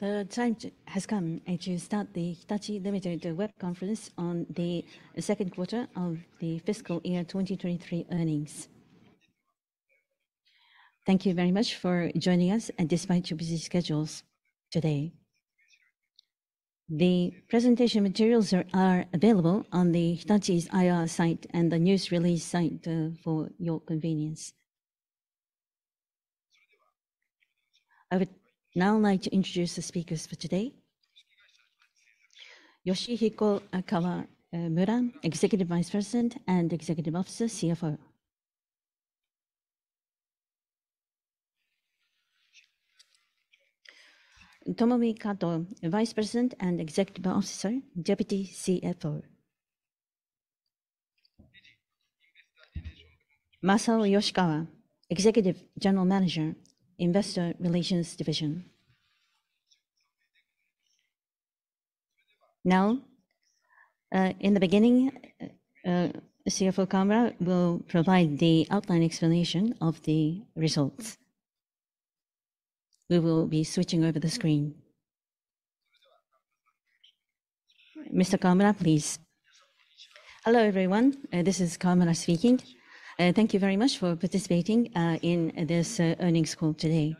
The time has come to start the Hitachi Limited web conference on the second quarter of the fiscal year 2023 earnings. Thank you very much for joining us and despite your busy schedules today. The presentation materials are available on the Hitachi's IR site and the news release site for your convenience. I would now like to introduce the speakers for today. Yoshihiko Kawamura, Executive Vice President and Executive Officer, CFO. Tomomi Kato, Vice President and Executive Officer, Deputy CFO. Masao Yoshikawa, Executive General Manager of Investor Relations Division. Now, in the beginning, CFO Kawamura will provide the outline explanation of the results. We will be switching over the screen. Mr. Kawamura, please. Hello, everyone, this is Kawamura speaking. Thank you very much for participating in this earnings call today.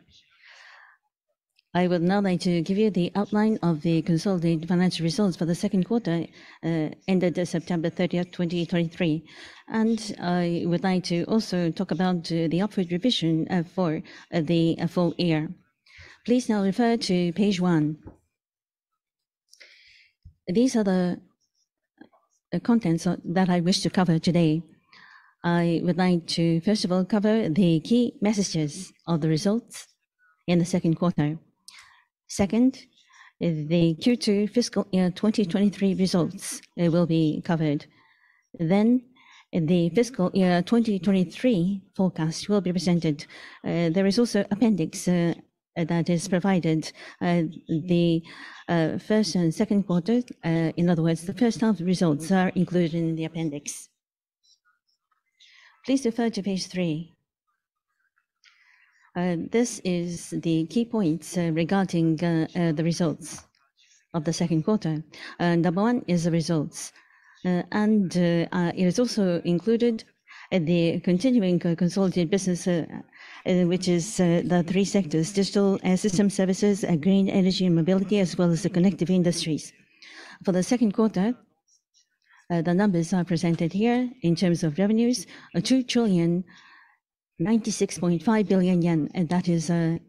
I would now like to give you the outline of the consolidated financial results for the second quarter ended September 30, 2023, and I would like to also talk about the upward revision for the full year. Please now refer to page one. These are the contents that I wish to cover today. I would like to, first of all, cover the key messages of the results in the second quarter. Second, is the Q2 fiscal year 2023 results will be covered. Then the fiscal year 2023 forecast will be presented. There is also appendix that is provided. The first and second quarter, in other words, the first half results are included in the appendix. Please refer to page three. This is the key points regarding the results of the second quarter. Number one is the results, and it is also included at the continuing consolidated business, which is the three sectors: Digital Systems & Services, and Green Energy & Mobility, as well as the Connective Industries. For the second quarter, the numbers are presented here in terms of revenues, 2,096.5 billion yen, and that is a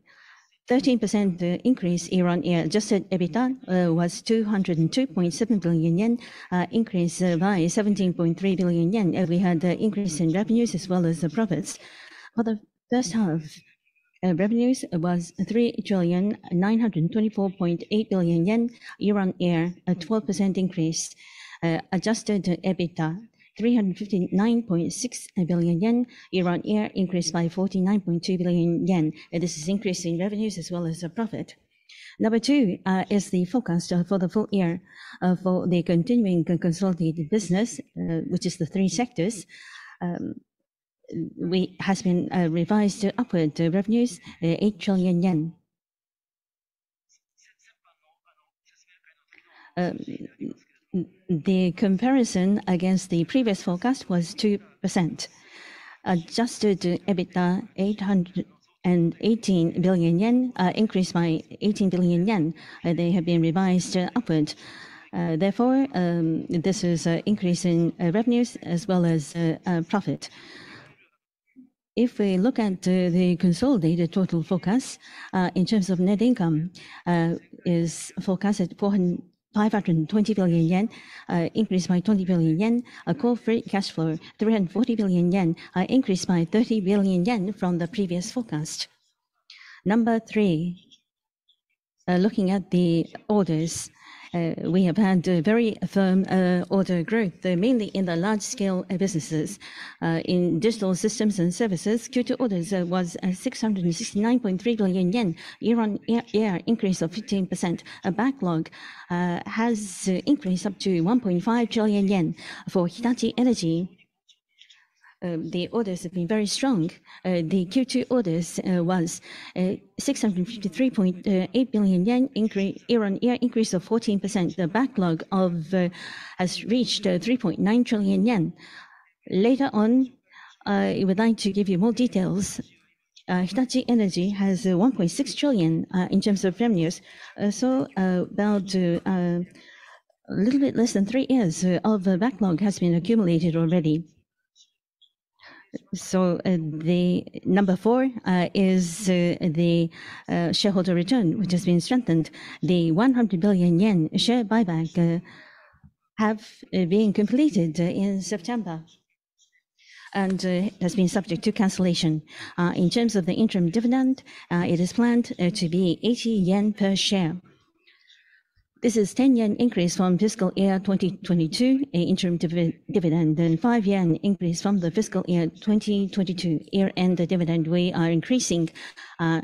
13% increase year-on-year. Adjusted EBITDA was 202.7 billion yen, increase by 17.3 billion yen. We had the increase in revenues as well as the profits. For the first half, revenues was 3,924.8 billion yen, year-on-year, a 12% increase. Adjusted EBITDA, 359.6 billion yen, year-on-year, increased by 49.2 billion yen. This is increase in revenues as well as the profit. Number two, is the forecast for the full year, for the continuing consolidated business, which is the three sectors. Has been revised upward, revenues, 8 trillion yen. The comparison against the previous forecast was 2%. Adjusted EBITDA, 818 billion yen, increased by 18 billion yen, and they have been revised upward. Therefore, this is a increase in revenues as well as profit. If we look at the consolidated total forecast in terms of net income is forecasted at 520 billion yen, increased by 20 billion yen. Core free cash flow 340 billion yen, increased by 30 billion yen from the previous forecast. Number three, looking at the orders, we have had a very firm order growth, though mainly in the large scale businesses. In Digital Systems and Services, Q2 orders was 669.3 billion yen, year-on-year increase of 15%. A backlog has increased up to 1.5 trillion yen. For Hitachi Energy... The orders have been very strong. The Q2 orders was 653.8 billion yen, year-on-year increase of 14%. The backlog of has reached 3.9 trillion yen. Later on, I would like to give you more details. Hitachi Energy has 1.6 trillion JPY in terms of revenues. So, about a little bit less than three years of backlog has been accumulated already. So, the number four is the shareholder return, which has been strengthened. The 100 billion yen share buyback have been completed in September and has been subject to cancellation. In terms of the interim dividend, it is planned to be 80 yen per share. This is 10 yen increase from fiscal year 2022 interim dividend, and 5 yen increase from the fiscal year 2022 year-end dividend. We are increasing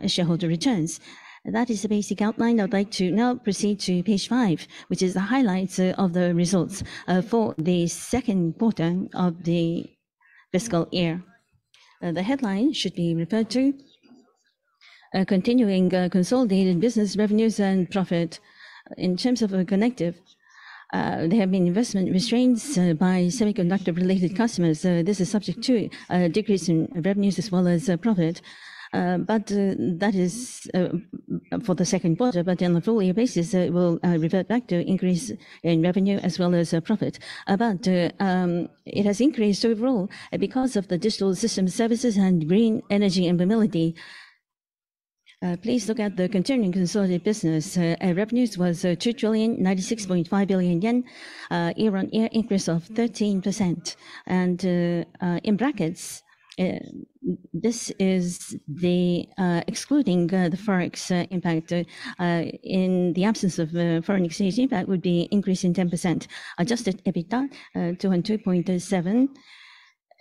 shareholder returns. That is the basic outline. I'd like to now proceed to page five, which is the highlights of the results for the second quarter of the fiscal year. The headline should be referred to continuing consolidated business revenues and profit. In terms of Connective, there have been investment restraints by semiconductor-related customers, so this is subject to decrease in revenues as well as profit. But that is for the second quarter, but on a full year basis, it will revert back to increase in revenue as well as profit. But it has increased overall because of the Digital Systems, Services, and Green Energy & Mobility. Please look at the continuing consolidated business. Revenues was 2,096.5 billion yen, year-on-year increase of 13%. In brackets, this is the... Excluding the Forex impact. In the absence of foreign exchange, that would be an increase in 10%. Adjusted EBITDA, 202.7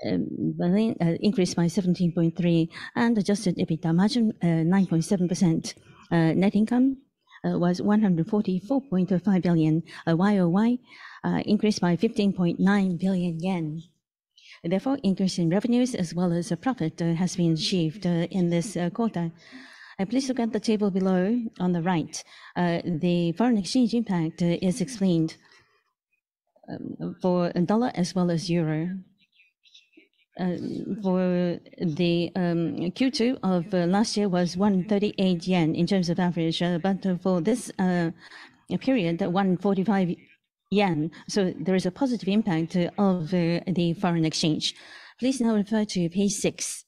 billion, increase by 17.3, and adjusted EBITDA margin, 9.7%. Net income was 144.5 billion, YOY, increased by 15.9 billion yen. Therefore, increase in revenues as well as profit has been achieved in this quarter. Please look at the table below on the right. The foreign exchange impact is explained for dollar as well as euro. For the Q2 of last year was 138 yen in terms of average, but for this period, 145 yen, so there is a positive impact of the foreign exchange. Please now refer to page six.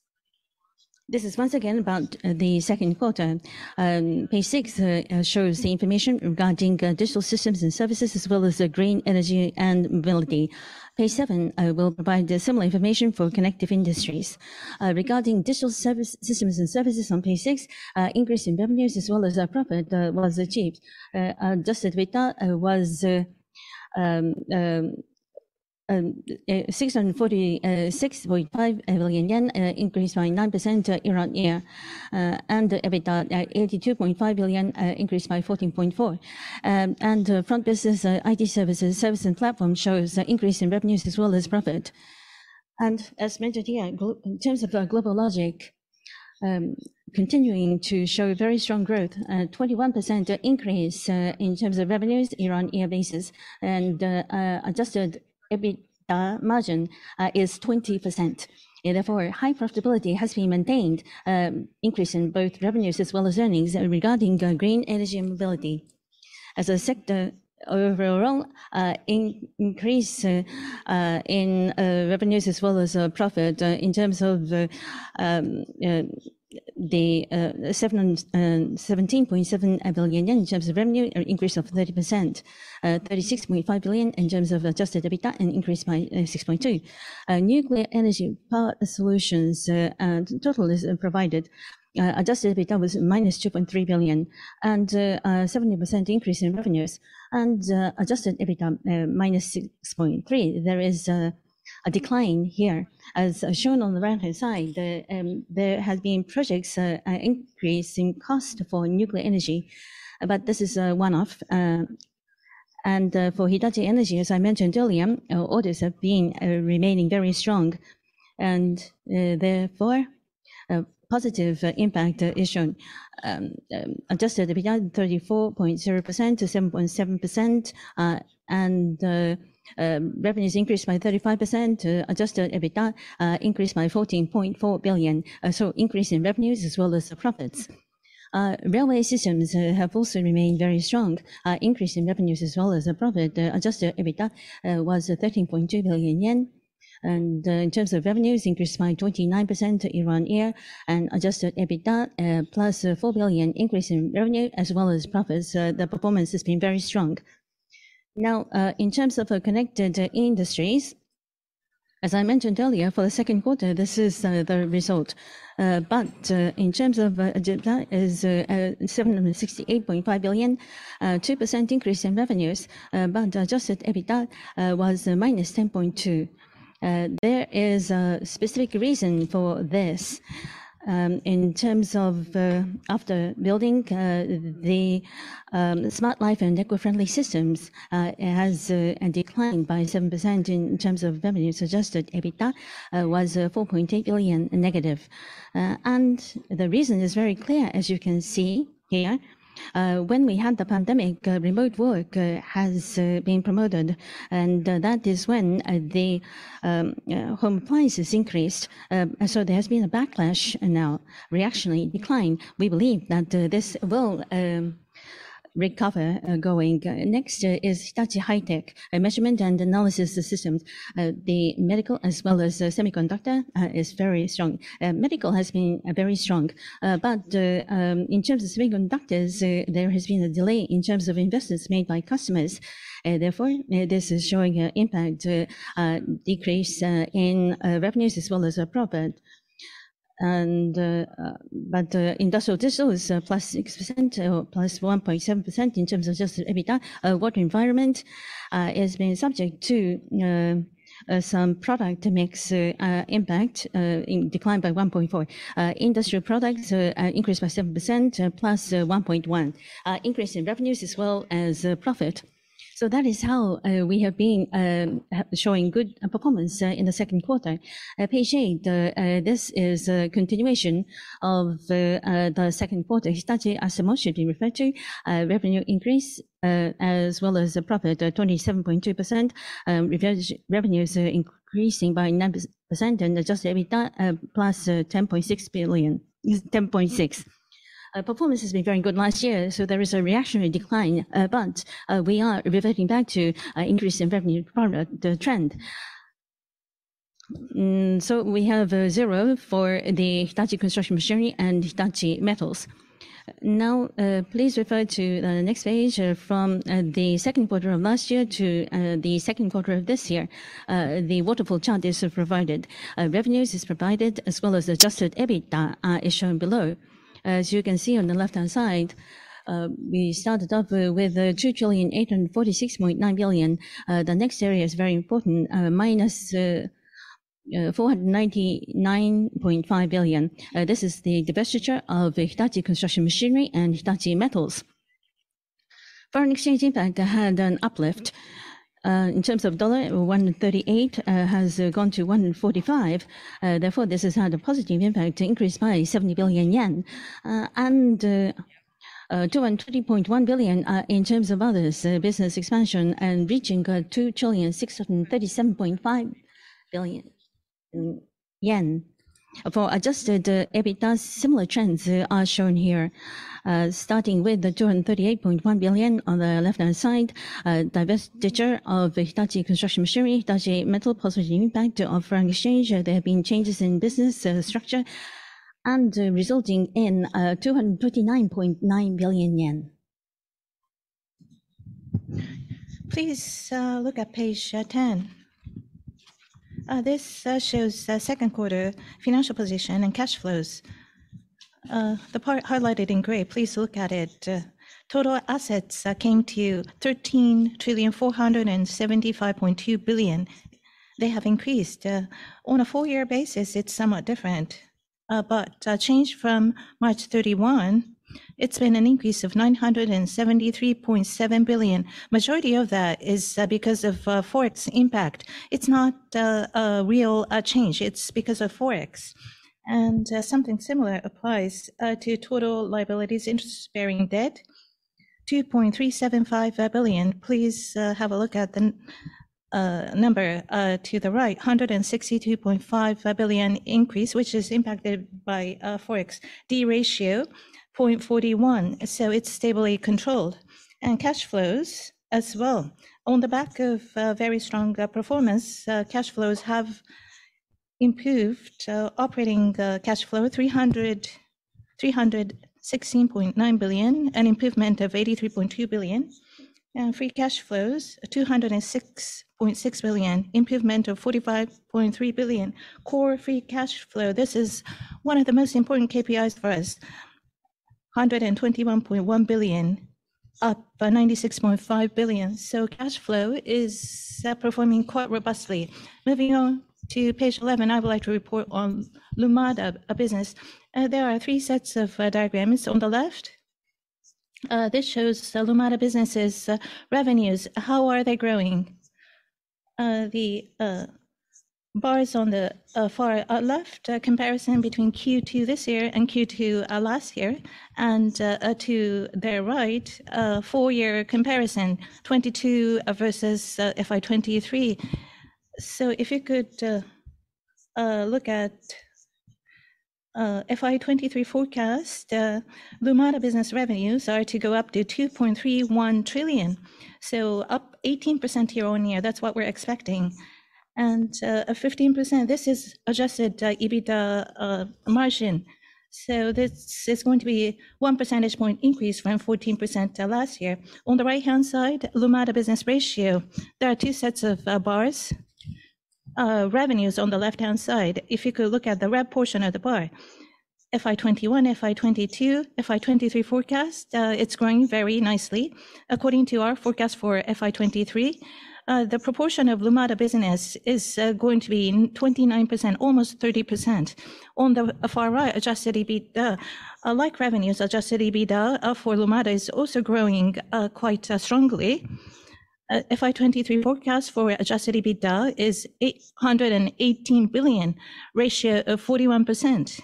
This is once again about the second quarter. Page six shows the information regarding Digital Systems & Services, as well as the Green Energy & Mobility. Page seven will provide the similar information for Connective Industries. Regarding Digital Service, Systems & Services on page six, increase in revenues as well as profit was achieved. Adjusted EBITDA was 646.5 billion yen, increased by 9% year-on-year, and EBITDA 82.5 billion, increased by 14.4%. And Front Business and IT Services, Services & Platforms shows increase in revenues as well as profit. As mentioned here, in terms of GlobalLogic, continuing to show very strong growth, 21% increase in terms of revenues year-on-year basis, and Adjusted EBITDA margin is 20%. Therefore, high profitability has been maintained, increase in both revenues as well as earnings. Regarding Green Energy & Mobility, as a sector overall, increase in revenues as well as profit, in terms of 17.7 billion yen in terms of revenue, an increase of 30%, 36.5 billion JPY in terms of Adjusted EBITDA and increased by 6.2. Nuclear Energy Power Solutions and total is provided. Adjusted EBITDA was minus 2.3 billion, and a 70% increase in revenues, and adjusted EBITDA minus 6.3 billion. There is a decline here. As shown on the right-hand side, there has been projects, increase in cost for nuclear energy, but this is one-off. For Hitachi Energy, as I mentioned earlier, our orders have been remaining very strong, and therefore, a positive impact is shown. Adjusted EBITDA, 34.0% to 7.7%, and revenues increased by 35%. Adjusted EBITDA increased by 14.4 billion, so increase in revenues as well as profits. Railway Systems have also remained very strong, increase in revenues as well as profit. Adjusted EBITDA was 13.2 billion yen, and in terms of revenues, increased by 29% year-on-year, and adjusted EBITDA plus 4 billion increase in revenue, as well as profits. The performance has been very strong. Now, in terms of Connective Industries, as I mentioned earlier, for the second quarter, this is the result. But in terms of EBITDA is 768.5 billion, 2% increase in revenues, but adjusted EBITDA was -10.2. There is a specific reason for this. In terms of after building the Smart Life & Ecofriendly Systems, it has a decline by 7% in terms of revenue. Suggested EBITDA was 4.8 billion negative. The reason is very clear, as you can see here, when we had the pandemic, remote work has been promoted, and that is when the home appliances increased. So there has been a backlash and now reactionary decline. We believe that this will recover going. Next is Hitachi High-Tech, a Measurement and Analysis Systems. The medical as well as the semiconductor is very strong. Medical has been very strong. But in terms of semiconductors, there has been a delay in terms of investments made by customers, and therefore this is showing an impact, a decrease in revenues as well as profit. Industrial Digital is +6% or +1.7% in terms of adjusted EBITDA. Water & Environment has been subject to some product mix impact in decline by 1.4. Industrial Products increased by 7%, plus 1.1 increase in revenues as well as profit. So that is how we have been showing good performance in the second quarter. Page eight, this is a continuation of the second quarter. Hitachi Automotive referred to revenue increase as well as the profit 27.2%. Revenues are increasing by 9%, and adjusted EBITDA plus 10.6 billion... 10.6. Performance has been very good last year, so there is a reactionary decline, but we are reverting back to increase in revenue product, the trend. So we have zero for the Hitachi Construction Machinery and Hitachi Metals. Now, please refer to next page, from the second quarter of last year to the second quarter of this year. The waterfall chart is provided. Revenues is provided, as well as Adjusted EBITDA is shown below. As you can see on the left-hand side, we started off with 2,846.9 billion. The next area is very important, minus 499.5 billion. This is the divestiture of the Hitachi Construction Machinery and Hitachi Metals. Foreign exchange impact had an uplift. In terms of dollar, 138 has gone to 145, therefore, this has had a positive impact, increased by 70 billion yen. And 230.1 billion, in terms of others, business expansion and reaching 2,637.5 billion yen. For adjusted EBITDA, similar trends are shown here. Starting with the 238.1 billion on the left-hand side, divestiture of the Hitachi Construction Machinery, Hitachi Metals, positive impact of foreign exchange. There have been changes in business structure and resulting in 239.9 billion yen. Please look at page 10. This shows second quarter financial position and cash flows. The part highlighted in gray, please look at it. Total assets came to 13,475.2 billion. They have increased. On a four-year basis, it's somewhat different, but change from March 31, it's been an increase of 973.7 billion. Majority of that is because of Forex impact. It's not a real change, it's because of Forex. And something similar applies to total liabilities, interest-bearing debt 2.375 billion. Please have a look at the number to the right, 162.5 billion increase, which is impacted by Forex. D-ratio 0.41, so it's stably controlled. And cash flows as well. On the back of very strong performance, cash flows have improved. Operating cash flow, 316.9 billion, an improvement of 83.2 billion. And free cash flows, 206.6 billion, improvement of 45.3 billion. Core free cash flow, this is one of the most important KPIs for us, 121.1 billion, up by 96.5 billion. So cash flow is performing quite robustly. Moving on to page 11, I would like to report on Lumada business. There are three sets of diagrams. On the left, this shows the Lumada businesses' revenues, how are they growing? The bars on the far left, a comparison between Q2 this year and Q2 last year, and to their right, a four-year comparison, 2022 versus FY2023. So if you could look at FY23 forecast, Lumada business revenues are to go up to 2.31 trillion, so up 18% year-on-year, that's what we're expecting. And a 15%, this is adjusted EBITDA margin, so this is going to be one percentage point increase from 14% last year. On the right-hand side, Lumada business ratio, there are two sets of bars. Revenues on the left-hand side, if you could look at the red portion of the bar.... FY21, FY22, FY23 forecast, it's growing very nicely. According to our forecast for FY23, the proportion of Lumada business is going to be twenty-nine percent, almost 30%. On the far right, adjusted EBITDA, like revenues, adjusted EBITDA for Lumada is also growing quite strongly. FY23 forecast for adjusted EBITDA is 818 billion, ratio of 41%.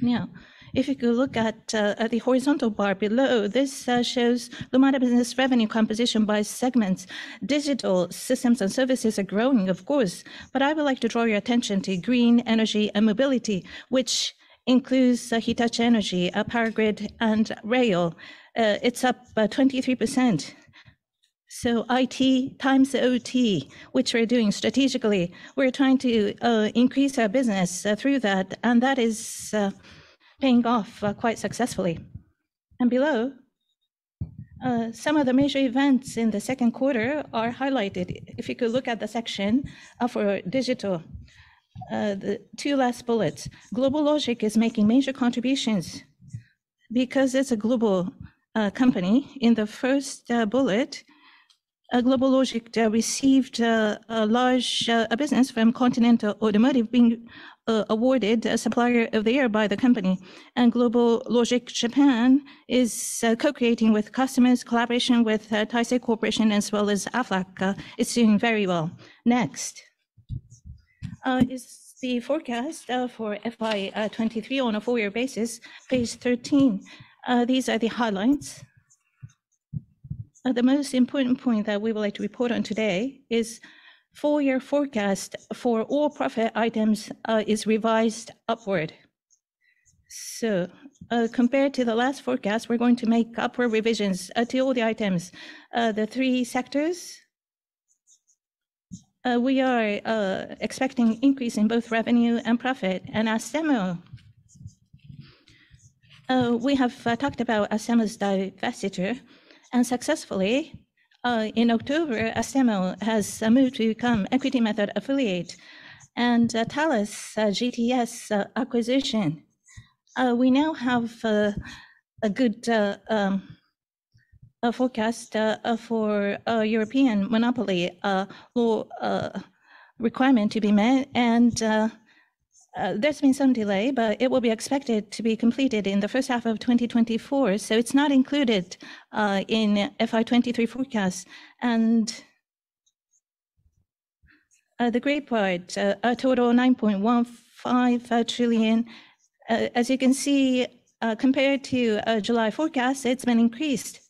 Now, if you could look at the horizontal bar below, this shows Lumada business revenue composition by segments. Digital Systems & Services are growing, of course, but I would like to draw your attention to Green Energy & Mobility, which includes Hitachi Energy, Power Grid, and Rail. It's up by 23%. So IT times the OT, which we're doing strategically, we're trying to increase our business through that, and that is paying off quite successfully. Below, some of the major events in the second quarter are highlighted. If you could look at the section for digital, the two last bullets. GlobalLogic is making major contributions because it's a global company. In the first bullet, GlobalLogic received a large business from Continental Automotive, being awarded Supplier of the Year by the company. GlobalLogic Japan is co-creating with customers, collaboration with Taisei Corporation as well as Aflac is doing very well. Next is the forecast for FY 2023 on a full year basis, page 13. These are the highlights. The most important point that we would like to report on today is full year forecast for all profit items is revised upward. So, compared to the last forecast, we're going to make upward revisions to all the items. The three sectors, we are expecting increase in both revenue and profit. And Astemo, we have talked about Astemo's divestiture, and successfully, in October, Astemo has moved to become equity method affiliate. And, Thales GTS acquisition, we now have a good forecast for a European monopoly law requirement to be met. And, there's been some delay, but it will be expected to be completed in the first half of 2024, so it's not included in FY23 forecast. The gray part, a total of 9.15 trillion, as you can see, compared to a July forecast, it's been increased.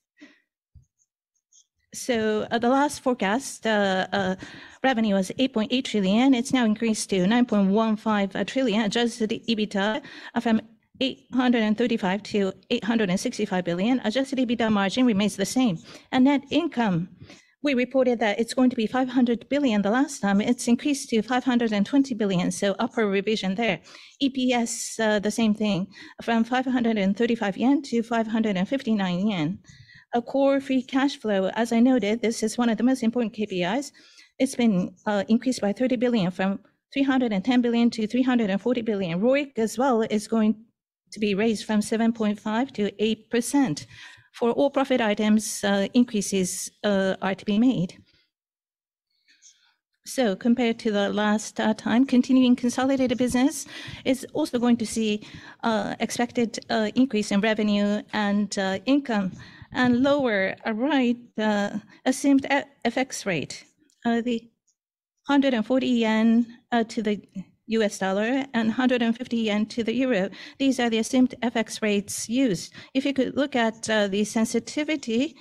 At the last forecast, revenue was 8.8 trillion. It's now increased to 9.15 trillion. Adjusted EBITDA from 835 billion to 865 billion. Adjusted EBITDA margin remains the same. Net income, we reported that it's going to be 500 billion the last time. It's increased to 520 billion, so upward revision there. EPS, the same thing, from 535 yen to 559 yen. Core Free Cash Flow, as I noted, this is one of the most important KPIs. It's been increased by 30 billion, from 310 billion to 340 billion. ROIC as well is going to be raised from 7.5%-8%. For all profit items, increases are to be made. So compared to the last time, continuing consolidated business is also going to see expected increase in revenue and income, and lower right assumed at FX rate. The 140 yen to the US dollar, and 150 yen to the euro. These are the assumed FX rates used. If you could look at the sensitivity,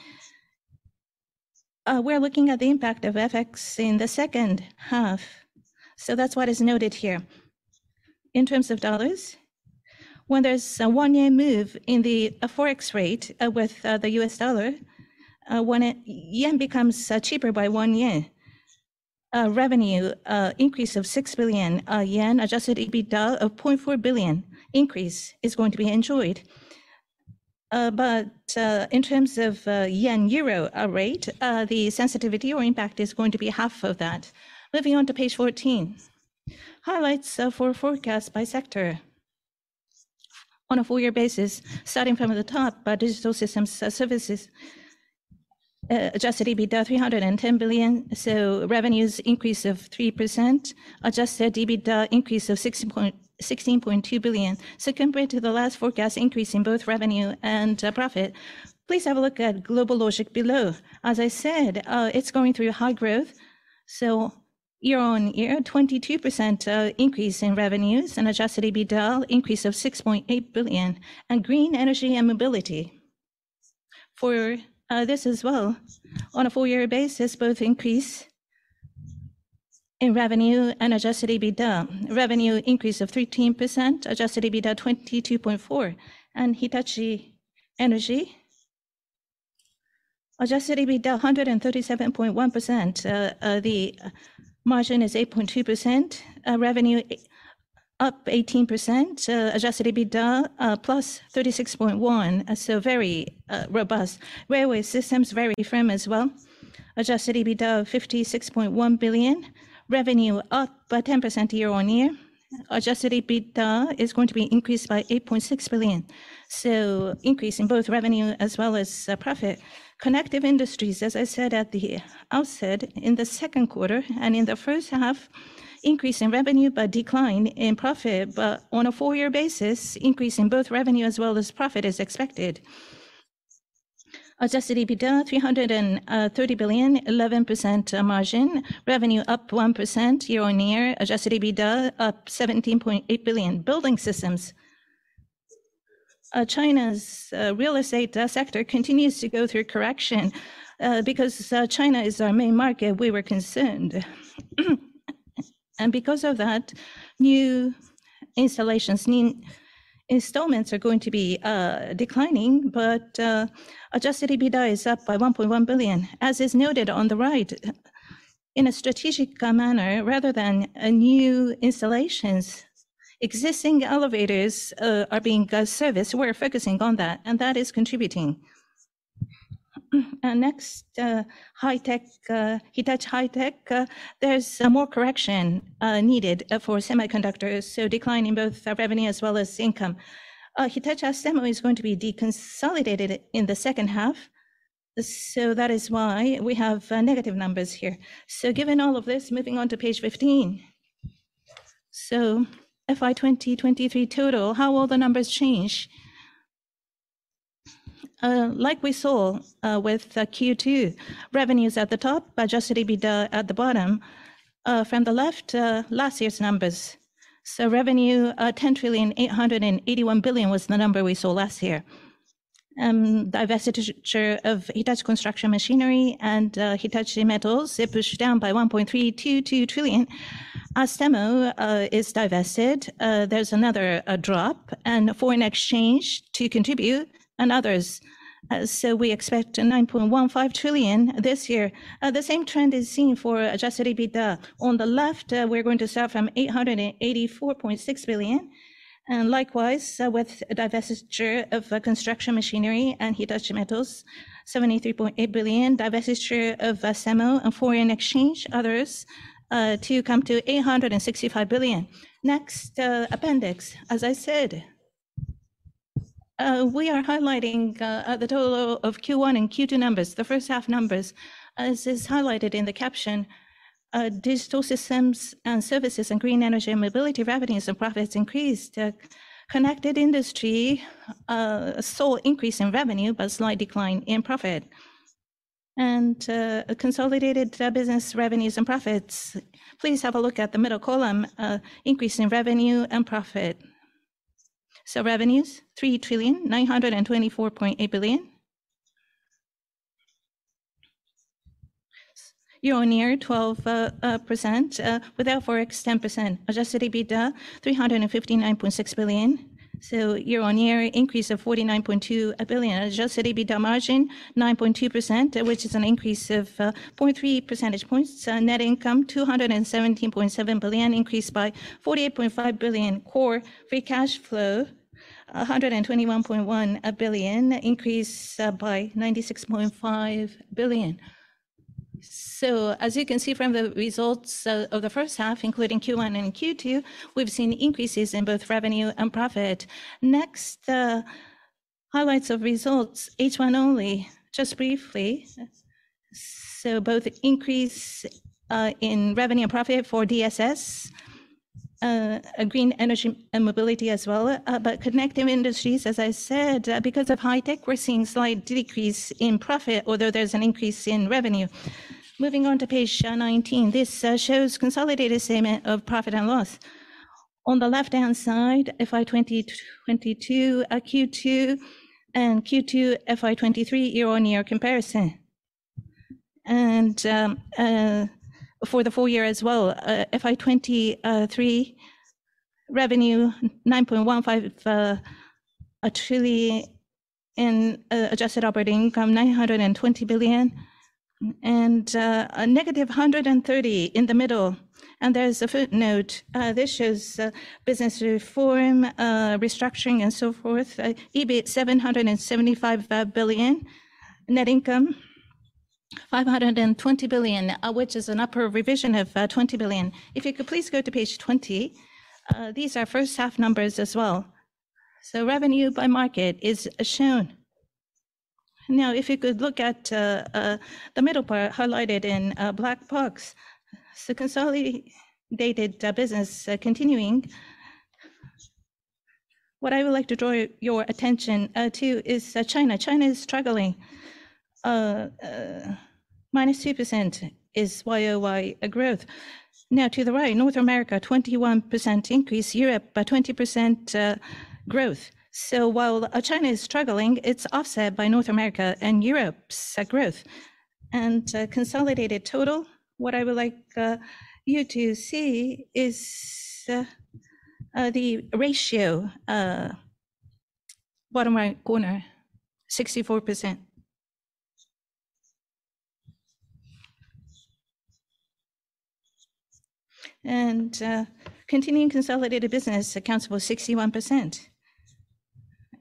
we're looking at the impact of FX in the second half, so that's what is noted here. In terms of dollars, when there's a one-yen move in the Forex rate with the US dollar, when a yen becomes cheaper by one yen, a revenue increase of 6 billion yen, adjusted EBITDA of 0.4 billion increase is going to be enjoyed. But in terms of yen-euro rate, the sensitivity or impact is going to be half of that. Moving on to page 14, highlights for forecast by sector on a full year basis. Starting from the top, by Digital Systems & Services, adjusted EBITDA, 310 billion, so revenues increase of 3%. Adjusted EBITDA increase of sixteen point, 16.2 billion. So compared to the last forecast, increase in both revenue and profit. Please have a look at GlobalLogic below. As I said, it's going through high growth, so year-on-year, 22% increase in revenues, and adjusted EBITDA, increase of 6.8 billion. Green Energy and Mobility, for this as well, on a full year basis, both increase in revenue and adjusted EBITDA. Revenue increase of 13%, adjusted EBITDA, 22.4%. And Hitachi Energy, adjusted EBITDA, 137.1%. The margin is 8.2%. Revenue up 18%, adjusted EBITDA +36.1, so very robust. Railway systems, very firm as well. Adjusted EBITDA, 56.1 billion. Revenue up by 10% year-on-year. Adjusted EBITDA is going to be increased by 8.6 billion, so increase in both revenue as well as profit. Connective Industries, as I said at the outset, in the second quarter and in the first half, increase in revenue, but decline in profit. But on a four-year basis, increase in both revenue as well as profit is expected. Adjusted EBITDA, 330 billion, 11% margin. Revenue up 1% year-over-year. Adjusted EBITDA up 17.8 billion. Building Systems. China's real estate sector continues to go through correction. Because China is our main market, we were concerned. And because of that, new installations, mean installments are going to be declining, but adjusted EBITDA is up by 1.1 billion. As is noted on the right, in a strategic manner, rather than a new installations, existing elevators are being serviced. We're focusing on that, and that is contributing. Next, high tech, Hitachi High-Tech, there's more correction needed for semiconductors, so decline in both our revenue as well as income. Hitachi Astemo is going to be deconsolidated in the second half, so that is why we have negative numbers here. Given all of this, moving on to page 15. FY 2023 total, how will the numbers change? Like we saw with Q2, revenue is at the top, adjusted EBITDA at the bottom. From the left, last year's numbers. So revenue, 10,881 billion was the number we saw last year. Divestiture of Hitachi Construction Machinery and Hitachi Metals, it pushed down by 1.322 trillion. Astemo is divested, there's another drop, and foreign exchange to contribute and others. So we expect 9.15 trillion this year. The same trend is seen for adjusted EBITDA. On the left, we're going to start from 884.6 billion, and likewise, with divestiture of Construction Machinery and Hitachi Metals, 73.8 billion, divestiture of Astemo and foreign exchange, others, to come to 865 billion. Next, appendix. As I said, we are highlighting the total of Q1 and Q2 numbers, the first half numbers. As is highlighted in the caption, Digital Systems and Services and Green Energy and Mobility revenues and profits increased. Connected Industry saw increase in revenue, but slight decline in profit. Consolidated Business revenues and profits, please have a look at the middle column, increase in revenue and profit. So revenues, JPY 3,924.8 billion. Year-on-year, 12%, without Forex, 10%. Adjusted EBITDA, 359.6 billion, so year-on-year increase of 49.2 billion. Adjusted EBITDA margin, 9.2%, which is an increase of 0.3 percentage points. Net income, 217.7 billion, increased by 48.5 billion. Core free cash flow, 121.1 billion, increased by 96.5 billion. So as you can see from the results of the first half, including Q1 and Q2, we've seen increases in both revenue and profit. Next, the highlights of results, H1 only, just briefly. So both increase in revenue and profit for DSS and Green Energy and Mobility as well. But Connective Industries, as I said, because of High-Tech, we're seeing slight decrease in profit, although there's an increase in revenue. Moving on to page 19, this shows consolidated statement of profit and loss. On the left-hand side, FY 2022 Q2 and Q2 FY 2023 year-on-year comparison. For the full year as well, FY 2023 revenue 9.15 trillion, and Adjusted Operating Income 920 billion, and a negative 130 in the middle. And there's a footnote. This shows business reform, restructuring, and so forth. EBIT 775 billion. Net income 520 billion, which is an upward revision of 20 billion. If you could please go to page 20, these are first-half numbers as well. So revenue by market is shown. Now, if you could look at the middle part, highlighted in black box. So consolidated business continuing... What I would like to draw your attention to is China. China is struggling. Minus 2% is YOY growth. Now, to the right, North America, 21% increase. Europe, a 20% growth. So while China is struggling, it's offset by North America and Europe's growth. And consolidated total, what I would like you to see is the ratio, bottom right corner, 64%. And continuing consolidated business accounts for 61%....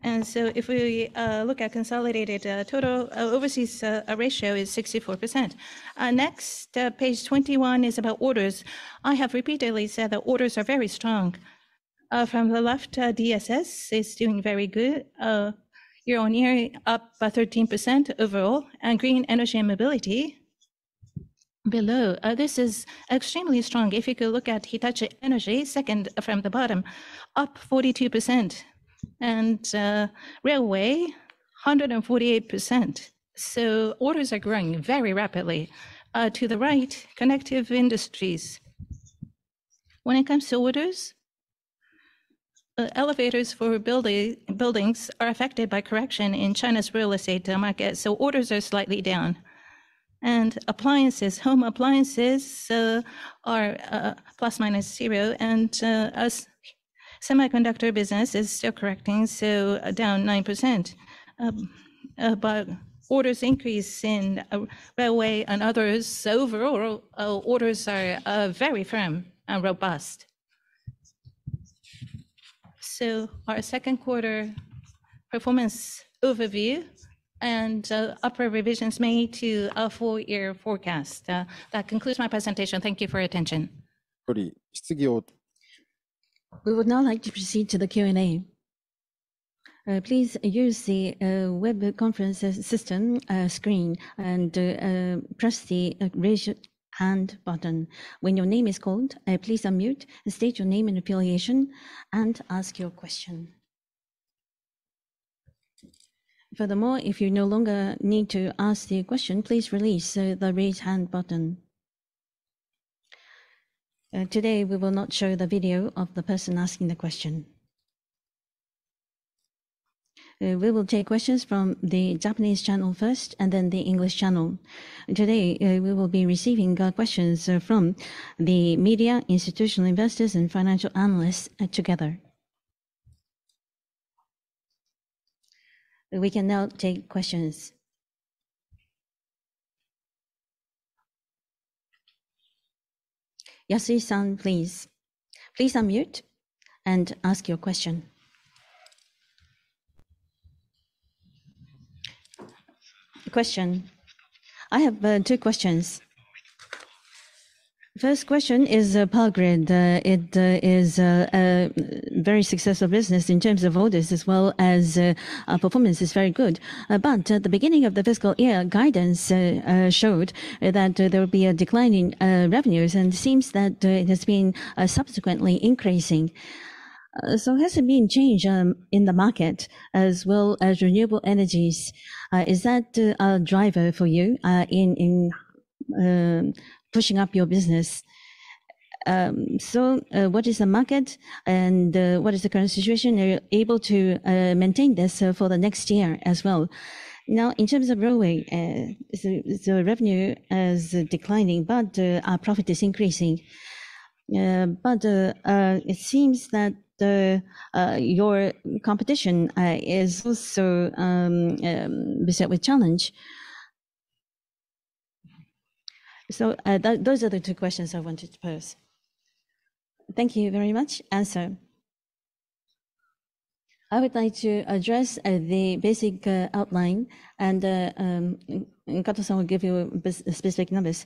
And so if we look at consolidated total overseas ratio is 64%. Next, page 21 is about orders. I have repeatedly said that orders are very strong. From the left, DSS is doing very good. Year-on-year, up by 13% overall, and green energy and mobility below. This is extremely strong. If you could look at Hitachi Energy, second from the bottom, up 42%, and railway, 148%. So orders are growing very rapidly. To the right, connective industries. When it comes to orders, elevators for building, buildings are affected by correction in China's real estate market, so orders are slightly down. And appliances, home appliances, are ±0%, and as semiconductor business is still correcting, so down 9%. But orders increase in railway and others, so overall orders are very firm and robust. So our second quarter performance overview and upper revisions made to our full year forecast. That concludes my presentation. Thank you for your attention. We would now like to proceed to the Q&A. Please use the web conference system screen, and press the Raise Hand button. When your name is called, please unmute, state your name and affiliation, and ask your question. Furthermore, if you no longer need to ask the question, please release the Raise Hand button. Today, we will not show the video of the person asking the question. We will take questions from the Japanese channel first, and then the English channel. Today, we will be receiving questions from the media, institutional investors, and financial analysts together. We can now take questions. Yasu-san, please, please unmute and ask your question. Question. I have two questions. First question is power grid. It is a very successful business in terms of orders, as well as our performance is very good. But at the beginning of the fiscal year, guidance showed that there would be a decline in revenues, and it seems that it has been subsequently increasing. So has there been change in the market as well as renewable energies? Is that a driver for you in pushing up your business? So what is the market, and what is the current situation? Are you able to maintain this for the next year as well? Now, in terms of railway, so revenue is declining, but our profit is increasing. But it seems that your competition is also beset with challenge. So those are the two questions I wanted to pose. Thank you very much. Answer. I would like to address the basic outline, and Kato-san will give you specific numbers.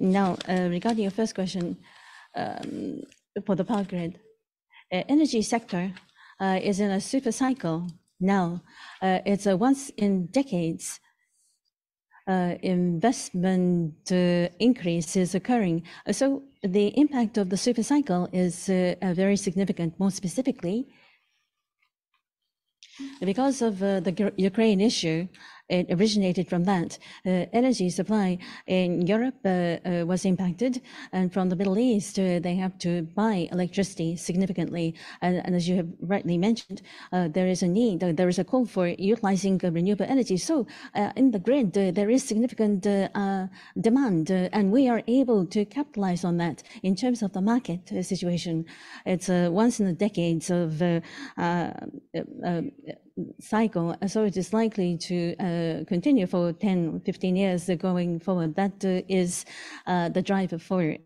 Now, regarding your first question, for the power grid, energy sector is in a super cycle now. It's a once in decades investment increase is occurring. So the impact of the super cycle is very significant. More specifically, because of the Ukraine issue, it originated from that, energy supply in Europe was impacted, and from the Middle East, they have to buy electricity significantly. And as you have rightly mentioned, there is a need, there is a call for utilizing renewable energy. So in the grid, there is significant demand, and we are able to capitalize on that. In terms of the market situation, it's a once in a decades of cycle, so it is likely to continue for 10, 15 years going forward. That is the driver for it.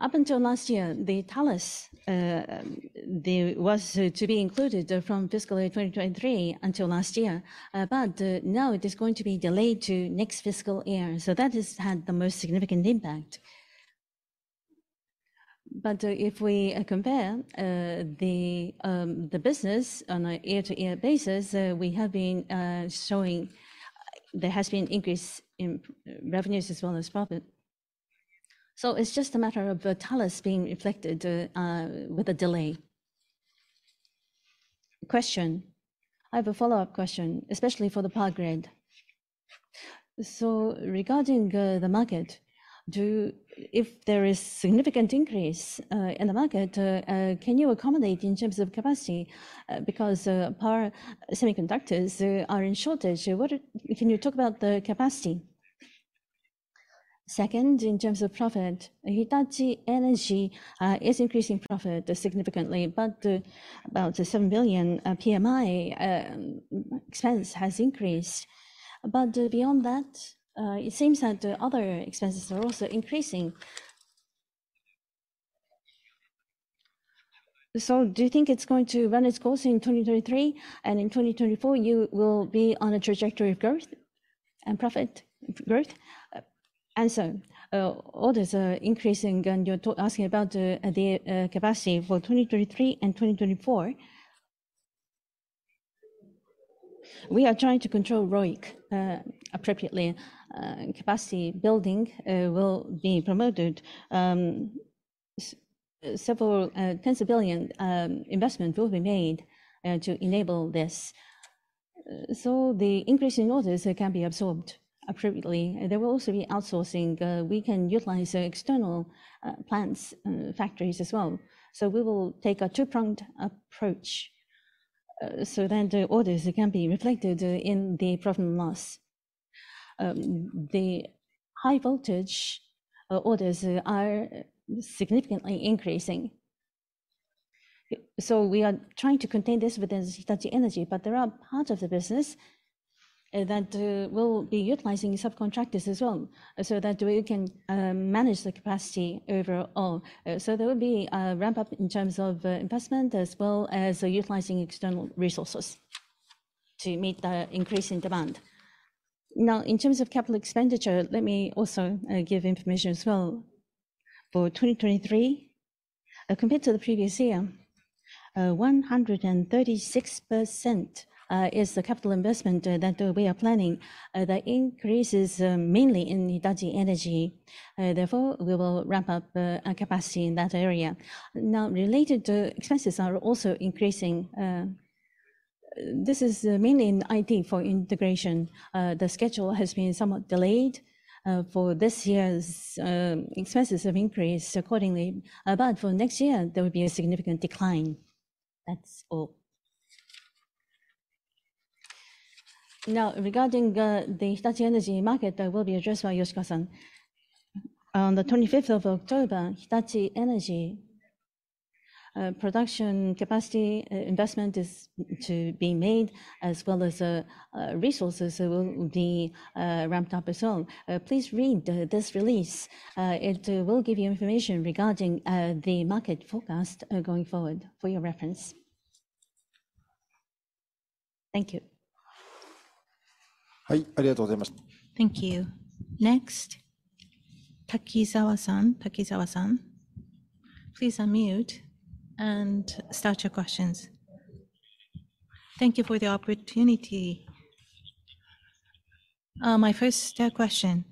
Up until last year, the Thales, there was to be included from fiscal year 2023 until last year, but now it is going to be delayed to next fiscal year, so that has had the most significant impact. But if we compare the business on a year-over-year basis, we have been showing... There has been increase in revenues as well as profit. So it's just a matter of the Thales being reflected with a delay. Question. I have a follow-up question, especially for the power grid. So regarding the market, do-- if there is significant increase in the market, can you accommodate in terms of capacity? Because power semiconductors are in shortage. What are... Can you talk about the capacity? Second, in terms of profit, Hitachi Energy is increasing profit significantly, but about 7 billion PMI expense has increased. But beyond that, it seems that the other expenses are also increasing. So do you think it's going to run its course in 2023, and in 2024, you will be on a trajectory of growth and profit growth? Answer. Orders are increasing, and you're asking about the capacity for 2023 and 2024. We are trying to control ROIC appropriately. Capacity building will be promoted. Several tens of billion investment will be made to enable this. So the increase in orders can be absorbed appropriately. There will also be outsourcing. We can utilize the external plants and factories as well. So we will take a two-pronged approach, so then the orders can be reflected in the profit and loss. The high voltage orders are significantly increasing. So we are trying to contain this within Hitachi Energy, but there are parts of the business that will be utilizing subcontractors as well, so that we can manage the capacity overall. So there will be a ramp up in terms of investment, as well as utilizing external resources to meet the increasing demand. Now, in terms of capital expenditure, let me also give information as well. For 2023, compared to the previous year, 136% is the capital investment that we are planning. The increase is mainly in Hitachi Energy. Therefore, we will ramp up the capacity in that area. Now, related expenses are also increasing. This is mainly in IT for integration. The schedule has been somewhat delayed. For this year's expenses have increased accordingly, but for next year, there will be a significant decline. That's all. Now, regarding the Hitachi Energy market, that will be addressed by Yoshikawa-san. On the twenty-fifth of October, Hitachi Energy production capacity investment is to be made, as well as resources will be ramped up as well. Please read this release. It will give you information regarding the market forecast going forward for your reference. Thank you. Thank you. Next, Takizawa-san. Takizawa-san, please unmute and start your questions. Thank you for the opportunity. My first question,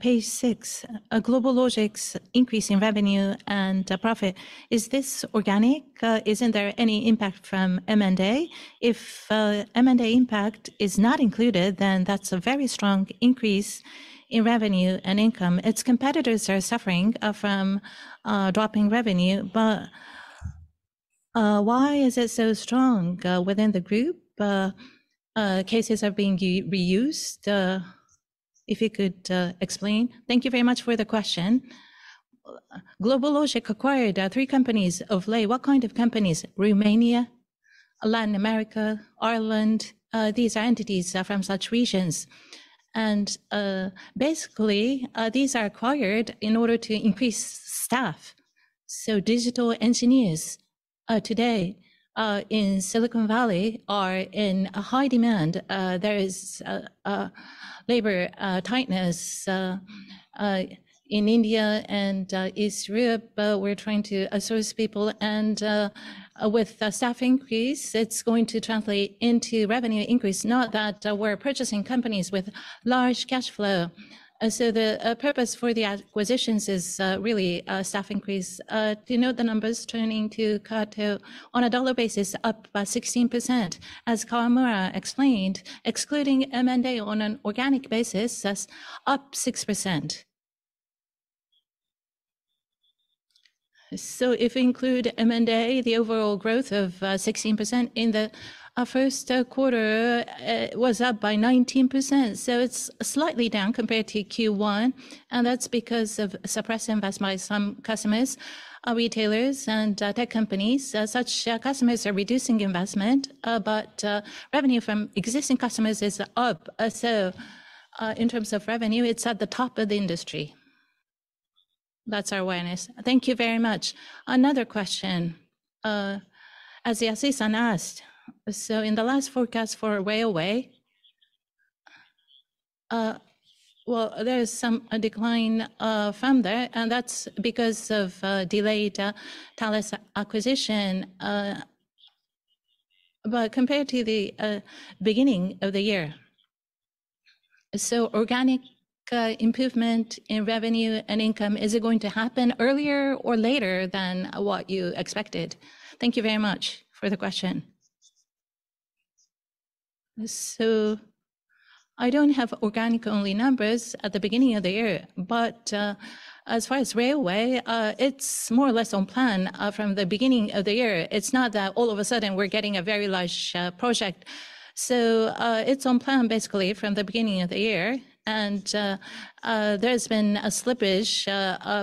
page six, GlobalLogic's increase in revenue and profit, is this organic? Isn't there any impact from M&A? If M&A impact is not included, then that's a very strong increase in revenue and income. Its competitors are suffering from dropping revenue, but why is it so strong within the group? Cases are being reused, if you could explain? Thank you very much for the question. GlobalLogic acquired 3 companies of late. What kind of companies? Romania, Latin America, Ireland, these are entities from such regions, and basically, these are acquired in order to increase staff. So digital engineers today in Silicon Valley are in high demand. There is a labor tightness in India and East Europe, but we're trying to source people, and with the staff increase, it's going to translate into revenue increase, not that we're purchasing companies with large cash flow. So the purpose for the acquisitions is really staff increase. To note the numbers, turning to GlobalLogic, on a dollar basis, up by 16%. As Kawamura explained, excluding M&A on an organic basis, that's up 6%. So if we include M&A, the overall growth of 16% in the first quarter was up by 19%, so it's slightly down compared to Q1, and that's because of suppressed investment by some customers, retailers, and tech companies. Such customers are reducing investment, but revenue from existing customers is up. So in terms of revenue, it's at the top of the industry. That's our awareness. Thank you very much. Another question, as Yasu-san asked, so in the last forecast for railway, well, there is a decline from there, and that's because of delayed Thales acquisition. But compared to the beginning of the year, so organic improvement in revenue and income, is it going to happen earlier or later than what you expected? Thank you very much for the question. So I don't have organic-only numbers at the beginning of the year, but as far as railway, it's more or less on plan from the beginning of the year. It's not that all of a sudden we're getting a very large project. So it's on plan basically from the beginning of the year, and there's been a slippage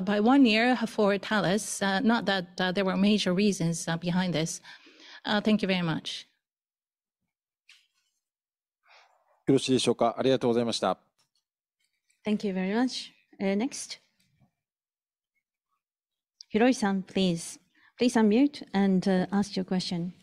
by one year for Thales, not that there were major reasons behind this. Thank you very much. Thank you very much. Next. Hiroi-san, please. Please unmute and ask your question.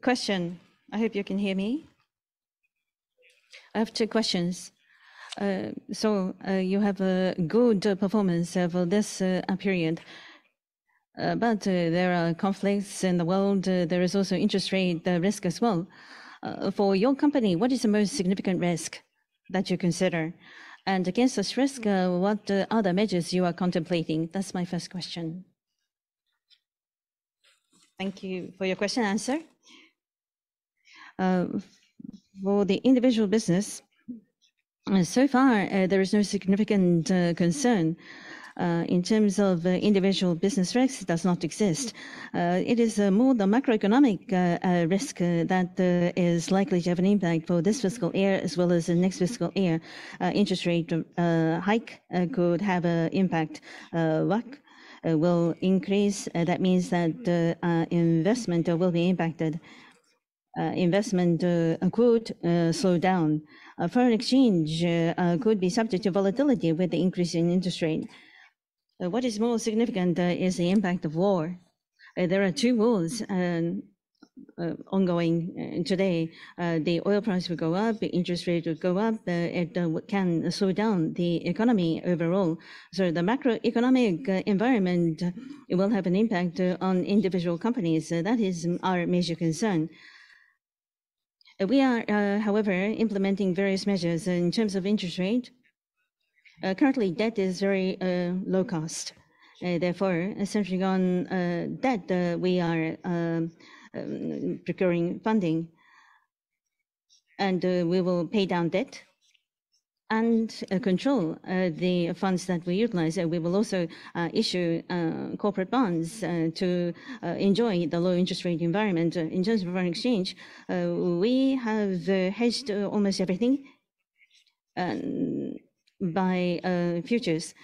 Question. I hope you can hear me. I have two questions. So you have a good performance over this period, but there are conflicts in the world. There is also interest rate risk as well. For your company, what is the most significant risk that you consider? And against this risk, what other measures you are contemplating? That's my first question. Thank you for your question. Answer: For the individual business, so far, there is no significant concern. In terms of individual business risks, does not exist. It is more the macroeconomic risk that is likely to have an impact for this fiscal year, as well as the next fiscal year. Interest rate hike could have an impact. WACC will increase, that means that the investment will be impacted. Investment could slow down. Foreign exchange could be subject to volatility with the increase in interest rate. What is more significant is the impact of war. There are two wars ongoing today. The oil price will go up, the interest rate will go up. It can slow down the economy overall. So the macroeconomic environment, it will have an impact on individual companies. That is our major concern. We are, however, implementing various measures. In terms of interest rate, currently, debt is very low cost. Therefore, essentially on debt, we are procuring funding, and we will pay down debt and control the funds that we utilize. We will also issue corporate bonds to enjoy the low interest rate environment. In terms of foreign exchange, we have hedged almost everything by futures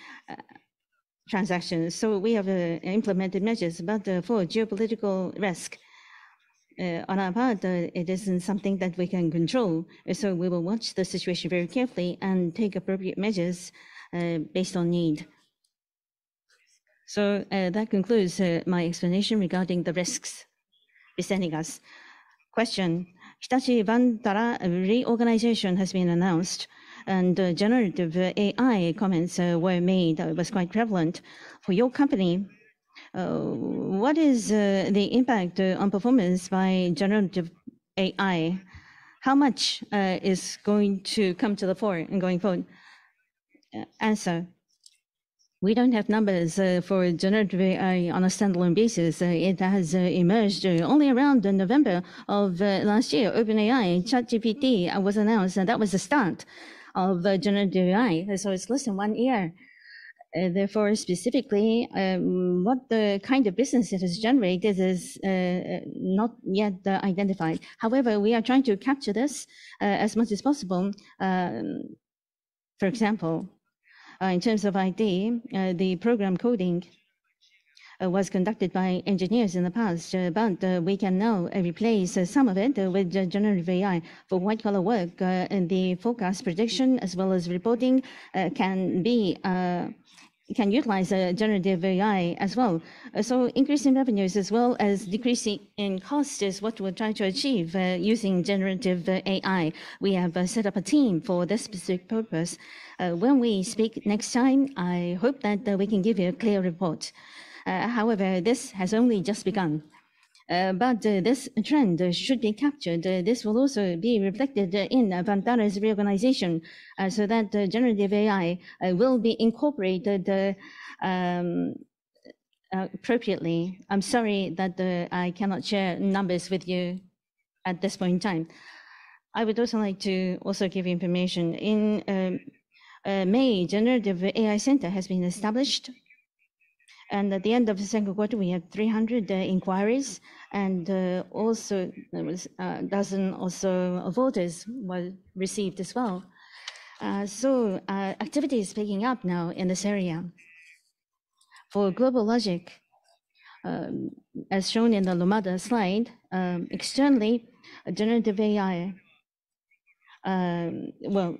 transactions. So we have implemented measures. But for geopolitical risk on our part it isn't something that we can control. So we will watch the situation very carefully and take appropriate measures based on need. So that concludes my explanation regarding the risks presenting us. Question: Hitachi Vantara, a reorganization has been announced, and generative AI comments were made. It was quite prevalent. For your company, what is the impact on performance by generative AI? How much is going to come to the fore in going forward? Answer: We don't have numbers for generative AI on a standalone basis. It has emerged only around November of last year. OpenAI, ChatGPT was announced, and that was the start of generative AI. So it's less than one year. Therefore, specifically, what the kind of business it has generated is not yet identified. However, we are trying to capture this as much as possible. For example, in terms of IT, the program coding was conducted by engineers in the past, but we can now replace some of it with Generative AI. For white-collar work and the forecast prediction, as well as reporting, can utilize Generative AI as well. So increasing revenues as well as decreasing in cost is what we're trying to achieve using Generative AI. We have set up a team for this specific purpose. When we speak next time, I hope that we can give you a clear report. However, this has only just begun. But this trend should be captured. This will also be reflected in Vantara's reorganization, so that generative AI will be incorporated appropriately. I'm sorry that I cannot share numbers with you at this point in time. I would also like to also give you information. In May, generative AI center has been established, and at the end of the second quarter, we had 300 inquiries, and also, there was a dozen or so orders were received as well. So, activity is picking up now in this area. For GlobalLogic, as shown in the Lumada slide, externally, generative AI, well,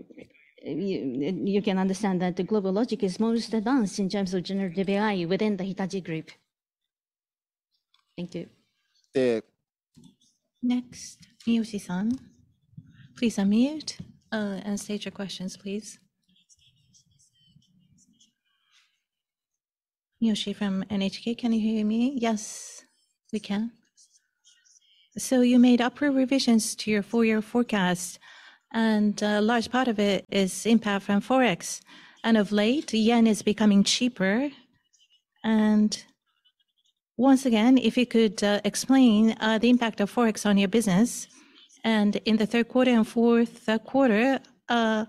you can understand that the GlobalLogic is most advanced in terms of generative AI within the Hitachi Group. Thank you. Next, Yoshi-san. Please unmute, and state your questions, please. Yoshi from NHK. Can you hear me? Yes, we can. So you made upward revisions to your full-year forecast, and a large part of it is impact from Forex. And of late, the yen is becoming cheaper. And once again, if you could explain the impact of Forex on your business. And in the third quarter and fourth quarter,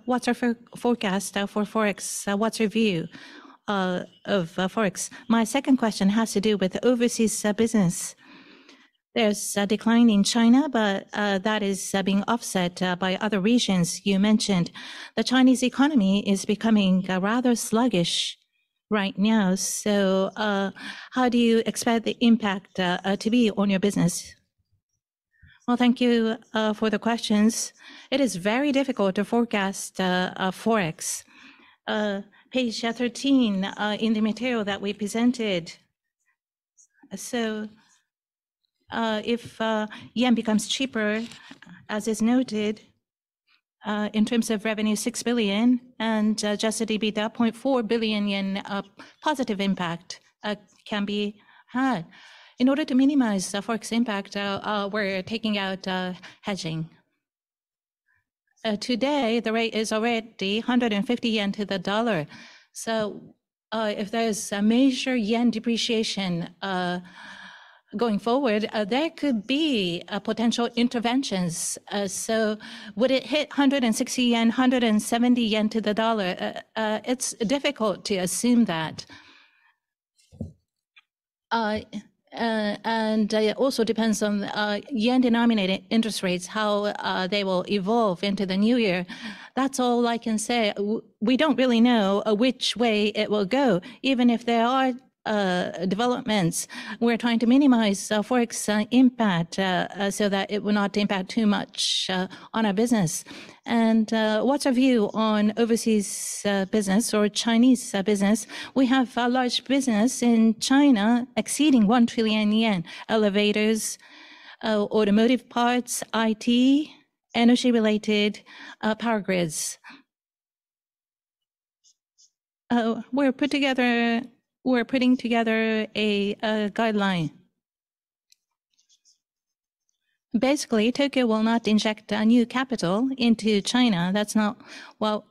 what's our forecast for Forex? What's your view of Forex. My second question has to do with overseas business. There's a decline in China, but that is being offset by other regions. You mentioned the Chinese economy is becoming rather sluggish right now, so how do you expect the impact to be on your business? Well, thank you for the questions. It is very difficult to forecast Forex. Page thirteen, in the material that we presented, so, if yen becomes cheaper, as is noted, in terms of revenue, 6 billion, and Adjusted EBITDA, 0.4 billion yen of positive impact, can be had. In order to minimize the Forex impact, we're taking out hedging. Today, the rate is already 150 yen to the dollar, so, if there's a major yen depreciation, going forward, there could be potential interventions. So would it hit 160 yen, 170 yen to the dollar? It's difficult to assume that. And it also depends on yen-denominated interest rates, how they will evolve into the new year. That's all I can say. We don't really know which way it will go. Even if there are developments, we're trying to minimize Forex impact so that it will not impact too much on our business. What's our view on overseas business or Chinese business? We have a large business in China exceeding 1 trillion yen: elevators, automotive parts, IT, energy-related power grids. We're putting together a guideline. Basically, Tokyo will not inject new capital into China. That's not what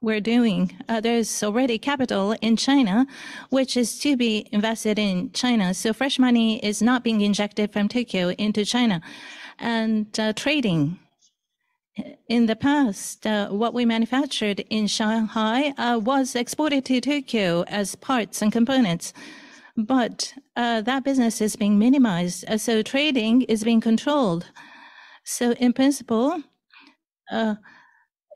we're doing. There's already capital in China, which is to be invested in China, so fresh money is not being injected from Tokyo into China. Trading, in the past, what we manufactured in Shanghai was exported to Tokyo as parts and components, but that business is being minimized so trading is being controlled. So in principle,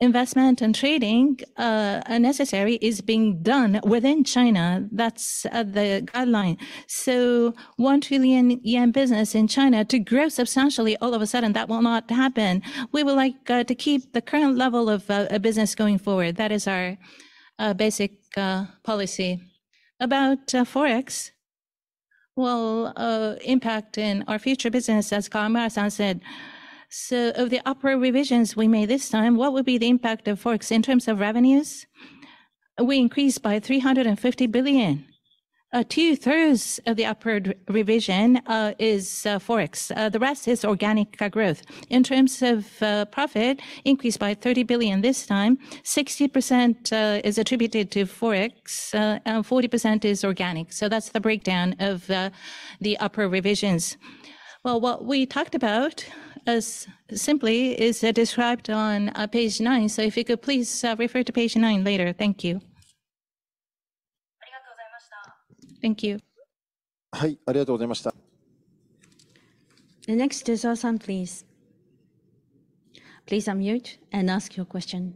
investment and trading necessary is being done within China. That's the guideline. So 1 trillion yen business in China, to grow substantially all of a sudden, that will not happen. We would like to keep the current level of business going forward. That is our basic policy. About Forex, well, impact in our future business, as Kawamura-san said, so of the upward revisions we made this time, what would be the impact of Forex in terms of revenues? We increased by 350 billion. Two-thirds of the upward revision is Forex. The rest is organic growth. In terms of profit, increased by 30 billion this time, 60% is attributed to Forex, and 40% is organic. So that's the breakdown of the upward revisions. Well, what we talked about as simply is, described on, page 9, so if you could please, refer to page 9 later. Thank you. Thank you. The next is Sawa-san, please. Please unmute and ask your question.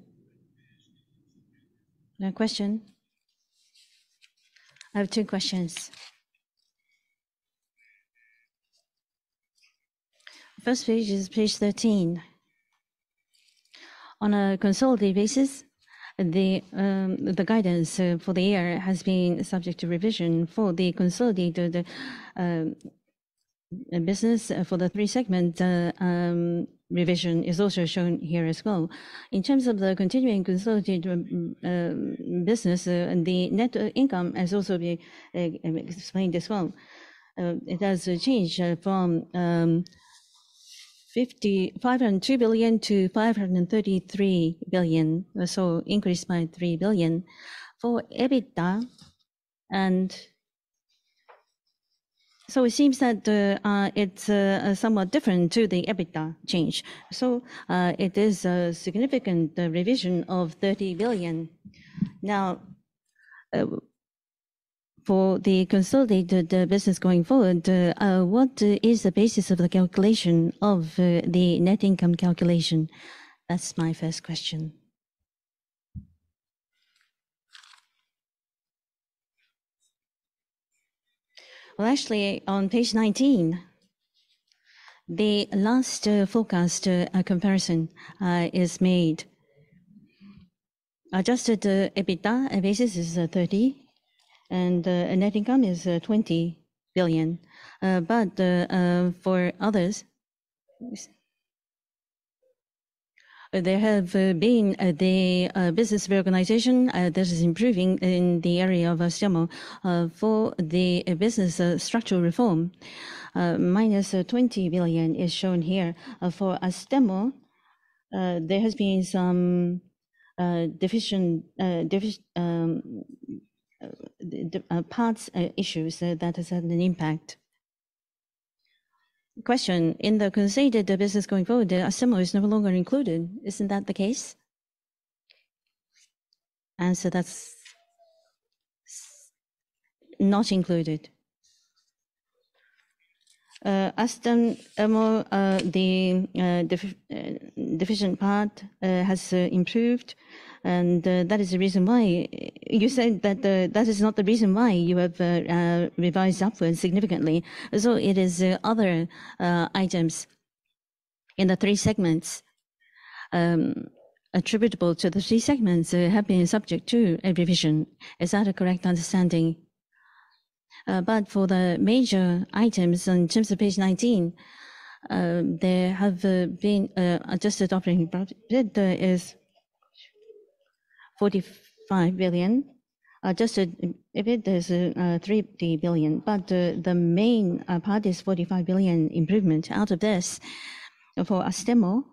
No question? I have two questions. First page is page 13. On a consolidated basis, the, the guidance, for the year has been subject to revision for the consolidated, business. For the three segment, revision is also shown here as well. In terms of the continuing consolidated, business, and the net income has also been, explained as well. It has changed, from, five hundred and two billion to five hundred and thirty-three billion, so increased by 3 billion. For EBITDA, and so it seems that it's somewhat different to the EBITDA change, so it is a significant revision of 30 billion. Now, for the consolidated business going forward, what is the basis of the calculation of the net income calculation? That's my first question. Well, actually, on page 19, the last forecast comparison is made. Adjusted EBITDA basis is 30, and net income is 20 billion. But for others, there have been the business reorganization that is improving in the area of Astemo. For the business structural reform, -20 billion is shown here. For Astemo, there has been some deficient parts issues that has had an impact.... Question, in the consolidated business going forward, the Astemo is no longer included. Isn't that the case? Answer, that's not included. Astemo, the division part has improved, and that is the reason why. You said that that is not the reason why you have revised upwards significantly. So it is other items in the three segments attributable to the three segments have been subject to a revision. Is that a correct understanding? But for the major items, in terms of page 19, there have been adjusted operating profit [of] JPY 45 billion. [For] adjusted EBIT, there's 30 billion. But the main part is 45 billion improvement. Out of this, for Astemo,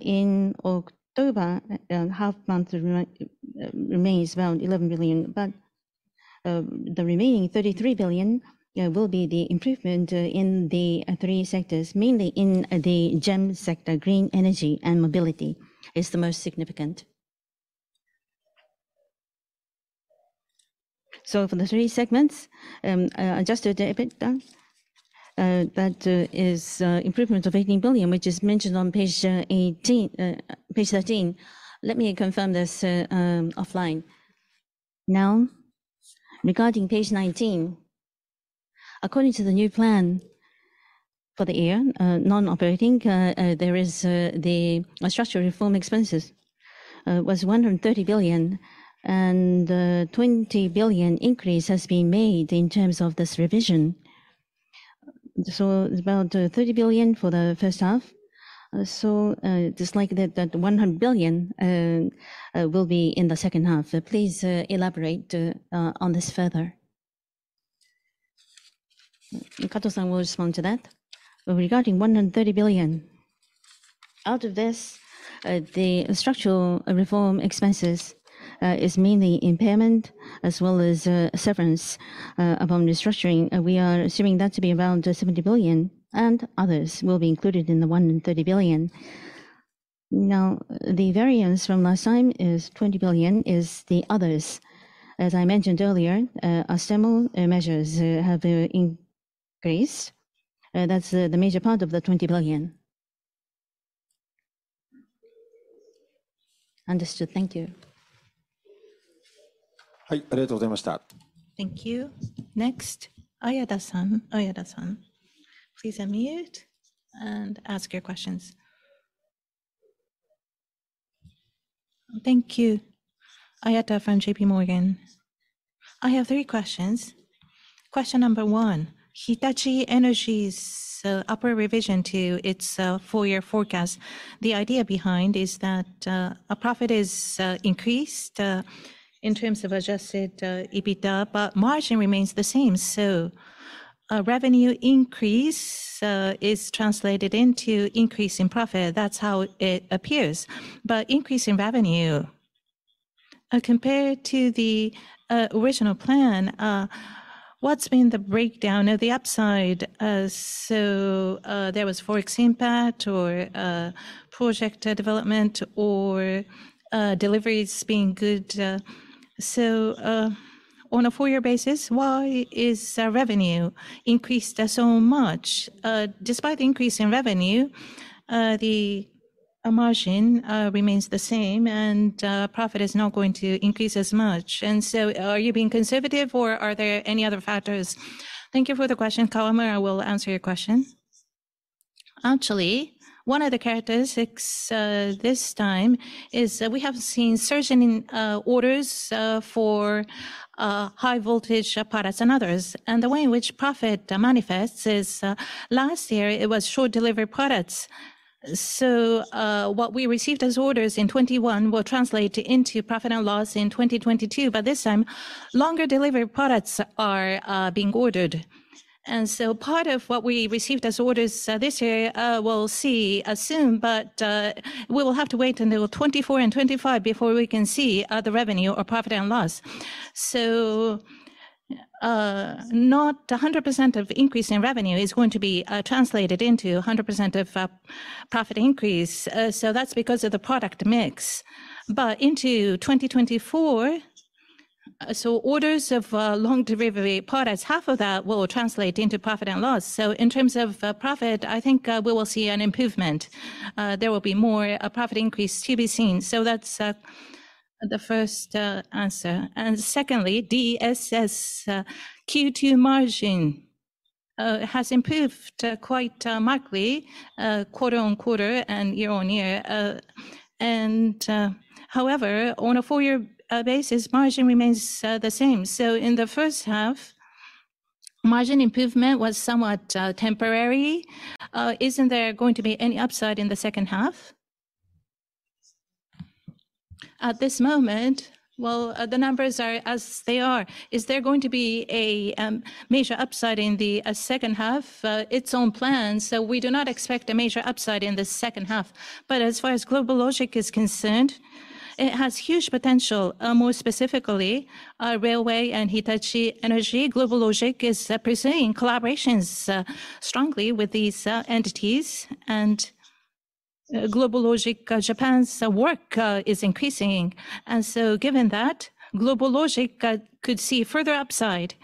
in October, half month remains around 11 billion. But the remaining 33 billion will be the improvement in the three sectors, mainly in the GEM sector. Green Energy and Mobility is the most significant. So for the three segments, adjusted EBITDA is improvement of 18 billion, which is mentioned on page 18, page 13. Let me confirm this offline. Now, regarding page 19, according to the new plan for the year, non-operating, there is the structural reform expenses was 130 billion, and 20 billion increase has been made in terms of this revision. So it's about 30 billion for the first half, so just like that, that 100 billion will be in the second half. Please elaborate on this further. Kato-san will respond to that. Regarding 130 billion, out of this, the structural reform expenses is mainly impairment, as well as, severance upon restructuring. We are assuming that to be around 70 billion, and others will be included in the 130 billion. Now, the variance from last time is 20 billion, is the others. As I mentioned earlier, Astemo measures have increased. That's the major part of the 20 billion. Understood. Thank you. Hi, Thank you. Next, Ayada-san. Ayada-san, please unmute and ask your questions. Thank you. Ayada from J.P. Morgan. I have three questions. Question number one, Hitachi Energy's upper revision to its full year forecast, the idea behind is that a profit is increased in terms of Adjusted EBITDA, but margin remains the same. So a revenue increase is translated into increase in profit. That's how it appears. But increase in revenue compared to the original plan, what's been the breakdown or the upside? So there was Forex impact or project development, or deliveries being good. So on a full year basis, why is revenue increased so much? Despite the increase in revenue, the margin remains the same, and profit is not going to increase as much. And so are you being conservative, or are there any other factors? Thank you for the question. Kawamura will answer your question. Actually, one of the characteristics this time is that we have seen surge in orders for high voltage products and others. And the way in which profit manifests is last year it was short delivery products. So what we received as orders in 2021 will translate into profit and loss in 2022. But this time, longer delivery products are being ordered. And so part of what we received as orders this year we'll see soon, but we will have to wait until 2024 and 2025 before we can see the revenue or profit and loss. So not 100% of increase in revenue is going to be translated into 100% of profit increase. So that's because of the product mix. But into 2024, so orders of long delivery products, half of that will translate into profit and loss. So in terms of profit, I think we will see an improvement. There will be more profit increase to be seen. So that's the first answer. And secondly, DSS Q2 margin has improved quite markedly quarter-on-quarter and year-on-year. And... However, on a full year basis, margin remains the same. So in the first half, margin improvement was somewhat temporary. Isn't there going to be any upside in the second half? At this moment, well, the numbers are as they are. Is there going to be a major upside in the second half? Its own plans, so we do not expect a major upside in the second half. But as far as GlobalLogic is concerned, it has huge potential. More specifically, Railway and Hitachi Energy. GlobalLogic is representing collaborations strongly with these entities, and GlobalLogic Japan's work is increasing. And so given that, GlobalLogic could see further upside.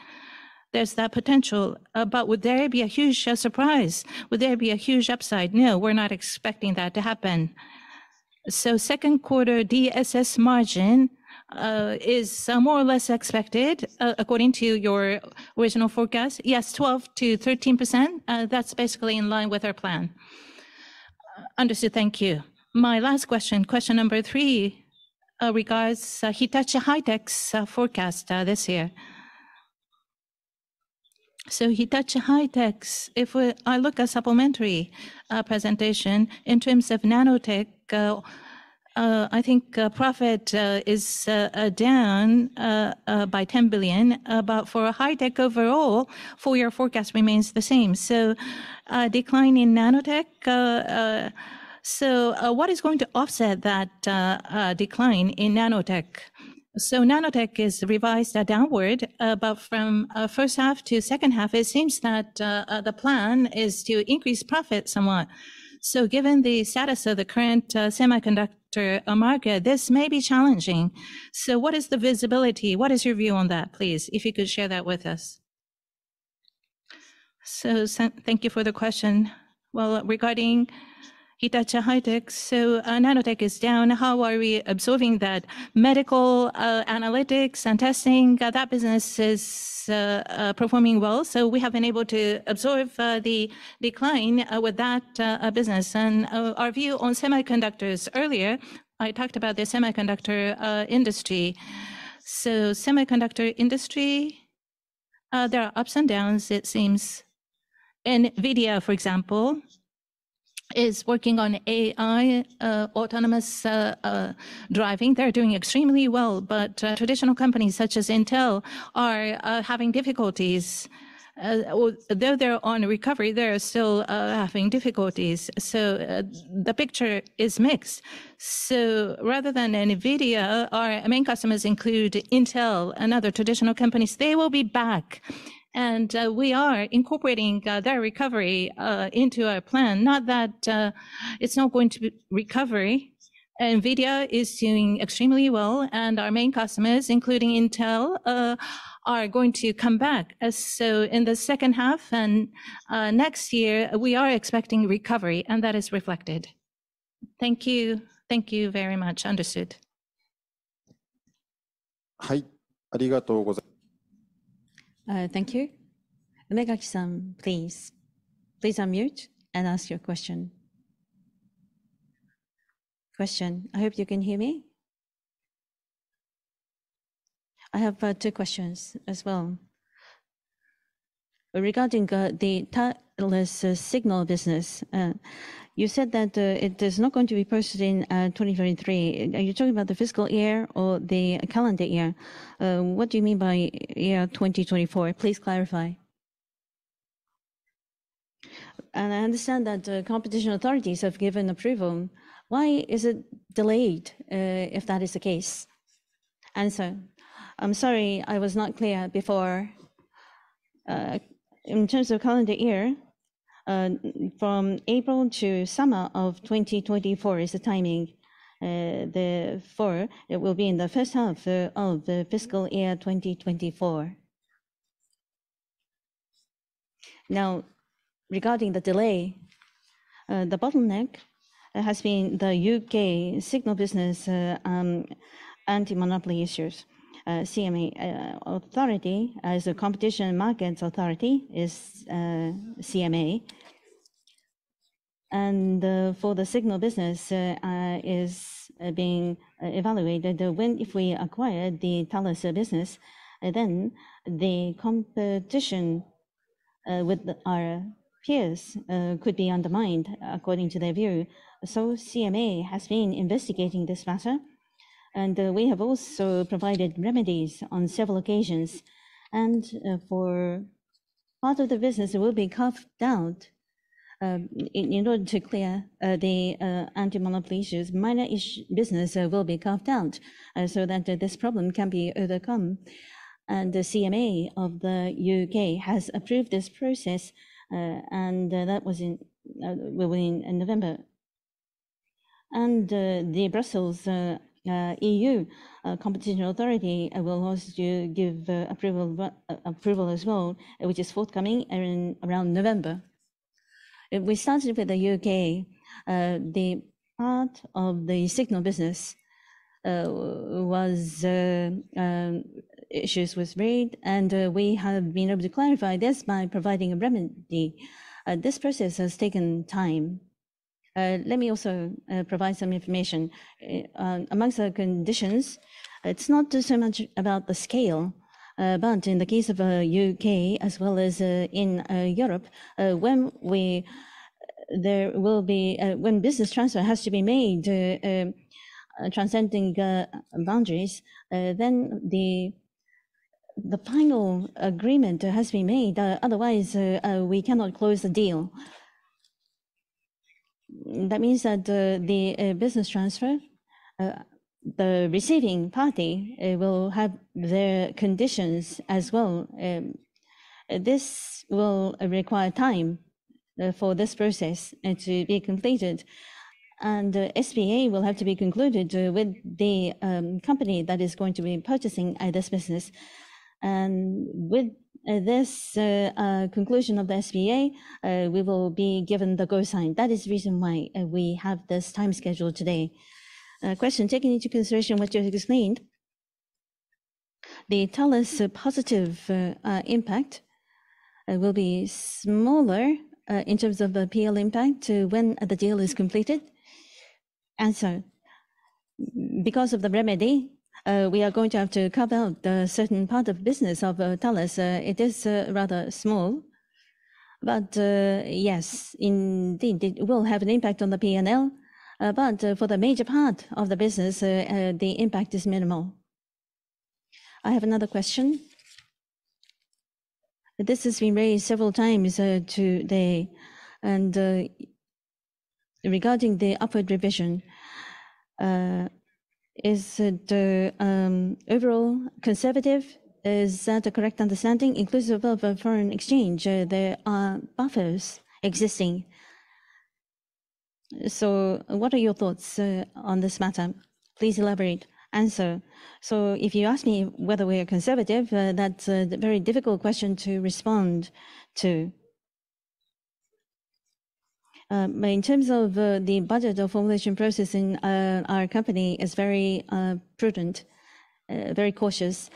There's that potential. But would there be a huge surprise? Would there be a huge upside? No, we're not expecting that to happen. So second quarter DSS margin is more or less expected according to your original forecast. Yes, 12%-13%. That's basically in line with our plan. Understood. Thank you. My last question, question number 3, regards Hitachi High-Tech's forecast this year. So Hitachi High-Tech's, if we... I look at supplementary presentation, in terms of Nanotech, I think profit is down by 10 billion. But for High-Tech overall, full year forecast remains the same. So a decline in Nanotech, what is going to offset that decline in Nanotech? So Nanotech is revised downward, but from first half to second half, it seems that the plan is to increase profit somewhat. So given the status of the current semiconductor market, this may be challenging. So what is the visibility? What is your view on that, please, if you could share that with us? So thank you for the question. Well, regarding Hitachi High-Tech, so Nanotech is down. How are we absorbing that? Medical analytics and testing that business is performing well, so we have been able to absorb the decline with that business. And our view on semiconductors, earlier, I talked about the semiconductor industry. So semiconductor industry there are ups and downs, it seems. NVIDIA, for example, is working on AI autonomous driving. They're doing extremely well, but traditional companies such as Intel are having difficulties. Well, though they're on recovery, they're still having difficulties, so the picture is mixed. So rather than NVIDIA, our main customers include Intel and other traditional companies. They will be back, and we are incorporating their recovery into our plan. Not that, it's not going to be recovery. NVIDIA is doing extremely well, and our main customers, including Intel, are going to come back. As so, in the second half and, next year, we are expecting recovery, and that is reflected. Thank you. Thank you very much. Understood. Hi, Thank you. Negishi-san, please, please unmute and ask your question. Question. I hope you can hear me? I have two questions as well. Regarding the Thales signal business, you said that it is not going to be purchased in 2023. Are you talking about the fiscal year or the calendar year? What do you mean by year 2024? Please clarify. And I understand that the competition authorities have given approval. Why is it delayed if that is the case? Answer: I'm sorry I was not clear before. In terms of calendar year, from April to summer of 2024 is the timing, the for. It will be in the first half of the fiscal year 2024. Now, regarding the delay, the bottleneck has been the U.K. signal business, anti-monopoly issues, CMA Authority. As the Competition and Markets Authority is, CMA, and for the signal business is being evaluated. If we acquire the Thales business, then the competition with our peers could be undermined according to their view. So CMA has been investigating this matter, and we have also provided remedies on several occasions. And for part of the business, it will be carved out, in order to clear the anti-monopoly issues. Minorish business will be carved out, so that this problem can be overcome. And the CMA of the UK has approved this process, and that was within November. And the Brussels Competition Authority will also give approval as well, which is forthcoming around November. We started with the UK, the part of the signal business was issues with Rail, and we have been able to clarify this by providing a remedy. This process has taken time. Let me also provide some information. Among the conditions, it's not so much about the scale, but in the case of UK as well as in Europe, when we- there will be, when business transfer has to be made, transcending boundaries, then the, the final agreement has to be made. Otherwise, we cannot close the deal. That means that, the business transfer- the receiving party will have their conditions as well. This will require time for this process to be completed, and SPA will have to be concluded with the company that is going to be purchasing this business. And with this conclusion of the SPA, we will be given the go sign. That is the reason why we have this time schedule today. Question: taking into consideration what you have explained, the Thales's positive impact will be smaller in terms of the P&L impact to when the deal is completed? Answer: Because of the remedy, we are going to have to carve out the certain part of business of Thales. It is rather small, but yes, indeed, it will have an impact on the P&L. But for the major part of the business, the impact is minimal. I have another question. This has been raised several times, today, and, regarding the upward revision, is the overall conservative, is that a correct understanding, inclusive of foreign exchange? There are buffers existing. So what are your thoughts on this matter? Please elaborate. So if you ask me whether we are conservative, that's a very difficult question to respond to. But in terms of the budget or formulation process in our company is very prudent, very cautious.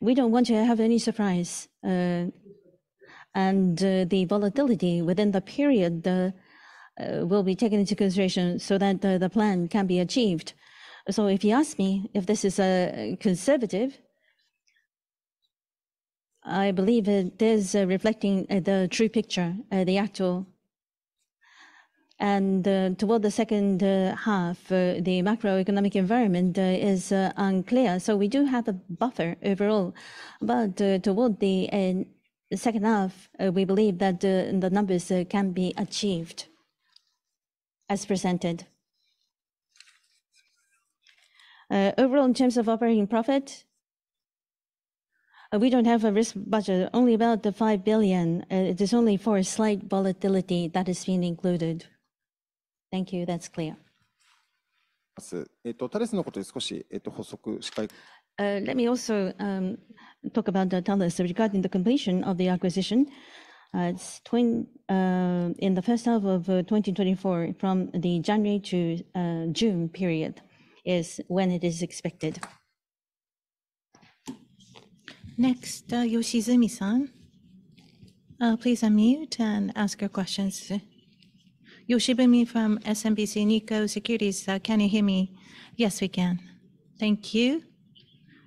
We don't want to have any surprise, and the volatility within the period will be taken into consideration so that the plan can be achieved. So if you ask me if this is conservative, I believe it is reflecting the true picture, the actual. Toward the second half, the macroeconomic environment is unclear, so we do have a buffer overall. But toward the second half, we believe that the numbers can be achieved as presented. Overall, in terms of operating profit, we don't have a risk budget, only about 5 billion. It is only for a slight volatility that has been included. Thank you. That's clear. Let me also talk about Thales. Regarding the completion of the acquisition, it's within... In the first half of 2024, from January to June period is when it is expected. Next, Yoshizumi-san. Please unmute and ask your questions. Yoshizumi from SMBC Nikko Securities. Can you hear me? Yes, we can. Thank you.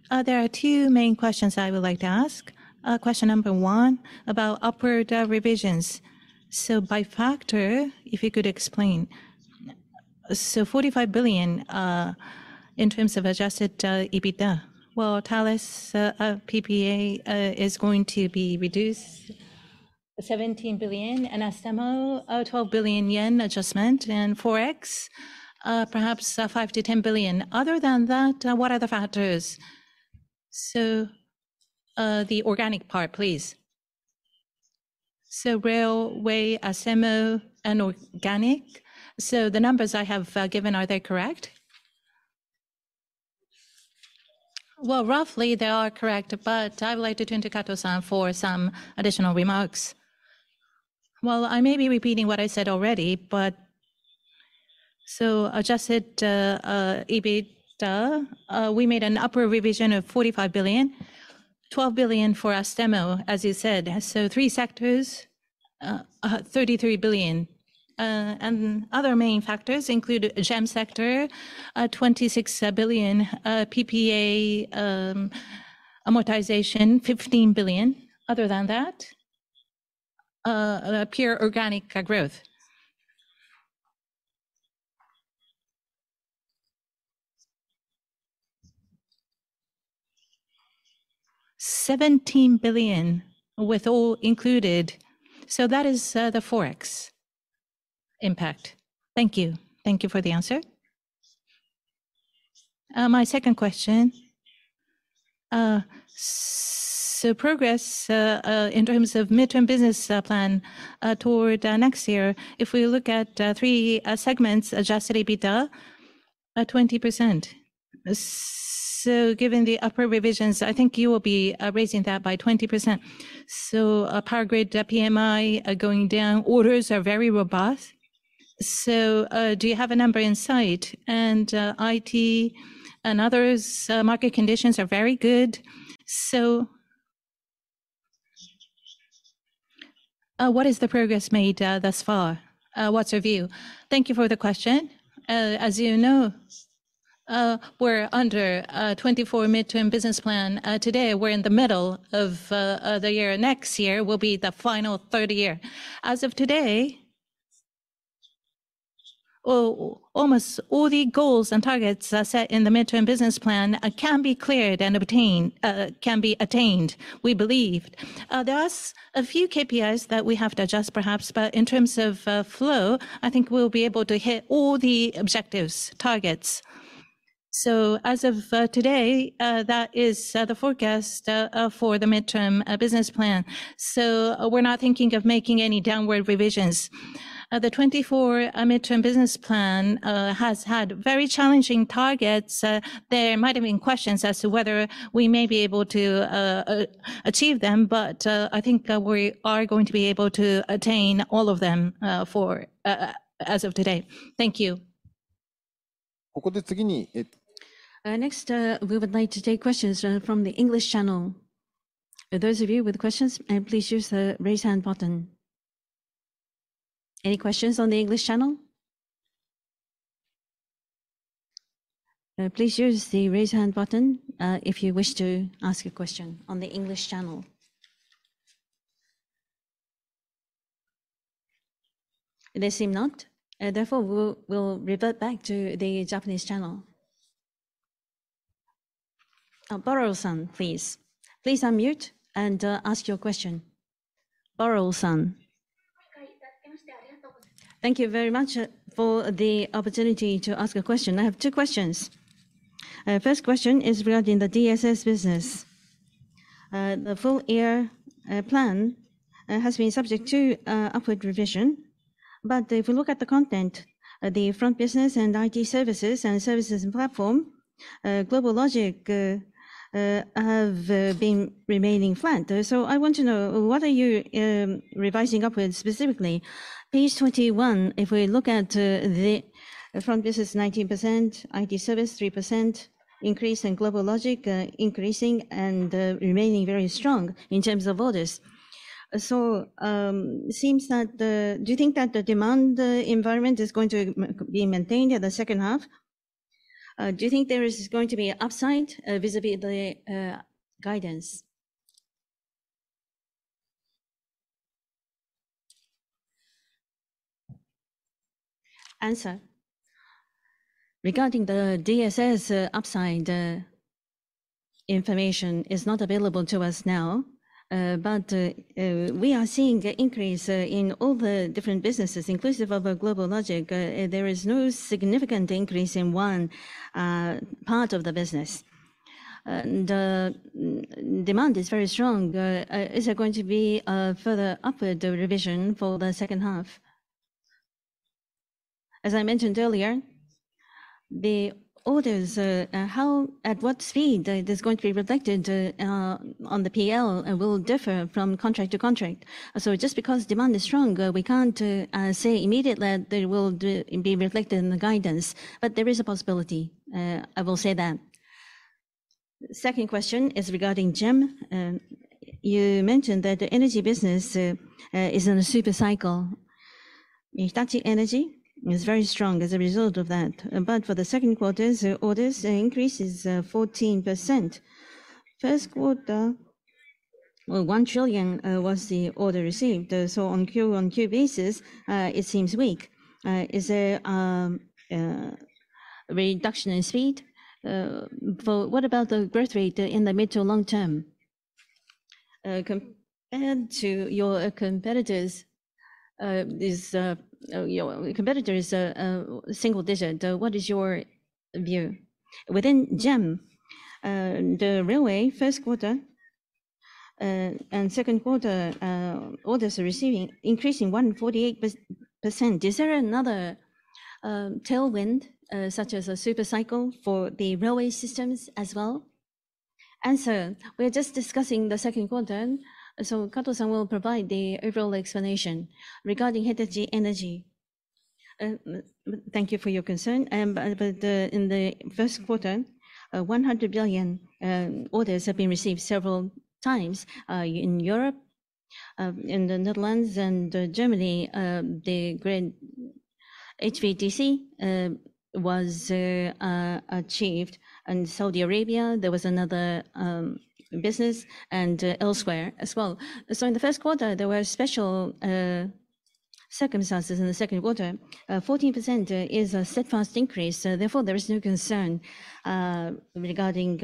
There are two main questions I would like to ask. Question number one about upward revisions. So by factor, if you could explain. So 45 billion in terms of Adjusted EBITDA. Well, Thales PPA is going to be reduced 17 billion, and Astemo 12 billion yen adjustment, and Forex perhaps 5-10 billion. Other than that, what are the factors? So, the organic part, please. So Railway, Astemo, and organic, so the numbers I have given, are they correct? Well, roughly they are correct, but I would like to turn to Kato-san for some additional remarks. Well, I may be repeating what I said already, but so adjusted EBITDA, we made an upward revision of 45 billion, 12 billion for Astemo, as you said. So three sectors, 33 billion. And other main factors include GEM sector, 26 billion, PPA amortization, 15 billion. Other than that? Pure organic growth. 17 billion, with all included. So that is the Forex impact. Thank you. Thank you for the answer. My second question. So progress in terms of mid-term business plan toward next year, if we look at three segments, adjusted EBITDA 20%. So given the upward revisions, I think you will be raising that by 20%. So, Power Grid, PMI are going down. Orders are very robust. Do you have a number in sight? And, IT and others, market conditions are very good. What is the progress made thus far? What's your view? Thank you for the question. As you know, we're under 24 mid-term business plan. Today, we're in the middle of the year. Next year will be the final third year. As of today, well, almost all the goals and targets set in the mid-term business plan can be cleared and obtained... can be attained, we believe. There are a few KPIs that we have to adjust perhaps, but in terms of flow, I think we'll be able to hit all the objectives, targets. So as of today, that is the forecast for the mid-term business plan. So, we're not thinking of making any downward revisions. The 2024 mid-term business plan has had very challenging targets. There might have been questions as to whether we may be able to achieve them, but I think we are going to be able to attain all of them as of today. Thank you. Next, we would like to take questions from the English channel. For those of you with questions, please use the Raise Hand button. Any questions on the English channel? Please use the Raise Hand button if you wish to ask a question on the English channel. There seem not. Therefore, we'll revert back to the Japanese channel. Muro-san, please. Please unmute and ask your question. Muro-san. Thank you very much for the opportunity to ask a question. I have two questions. First question is regarding the DSS business. The full year plan has been subject to upward revision, but if you look at the content, the Front Business and IT Services and Services & Platforms, GlobalLogic, have been remaining flat. So I want to know, what are you revising upwards specifically? Page 21, if we look at the Front Business, 19%, IT Services, 3% increase in GlobalLogic, increasing and remaining very strong in terms of orders. So seems that the... Do you think that the demand environment is going to be maintained in the second half? Do you think there is going to be an upside vis-à-vis the guidance? Answer: Regarding the DSS, information is not available to us now, but we are seeing an increase in all the different businesses, inclusive of GlobalLogic. There is no significant increase in one part of the business. Demand is very strong. Is there going to be a further upward revision for the second half? As I mentioned earlier, the orders, at what speed it is going to be reflected on the P&L, will differ from contract to contract. So just because demand is strong, we can't say immediately that they will be reflected in the guidance, but there is a possibility. I will say that. Second question is regarding GEM. You mentioned that the energy business is in a super cycle. Hitachi Energy is very strong as a result of that. But for the second quarter's orders, the increase is 14%. First quarter, well, 1 trillion was the order received, so on Q on Q basis, it seems weak. Is there reduction in speed? What about the growth rate in the mid to long term? Compared to your competitors, is your competitor a single digit? What is your view? Within GEM, the railway first quarter and second quarter orders are receiving increasing 148%. Is there another tailwind, such as a super cycle for the railway systems as well? Answer: We are just discussing the second quarter, so Kato-san will provide the overall explanation. Regarding Hitachi Energy, thank you for your concern, but in the first quarter, 100 billion orders have been received several times in Europe, in the Netherlands, and Germany, the HVDC was achieved. In Saudi Arabia, there was another business, and elsewhere as well. So in the first quarter, there were special circumstances. In the second quarter, 14% is a steadfast increase, therefore there is no concern regarding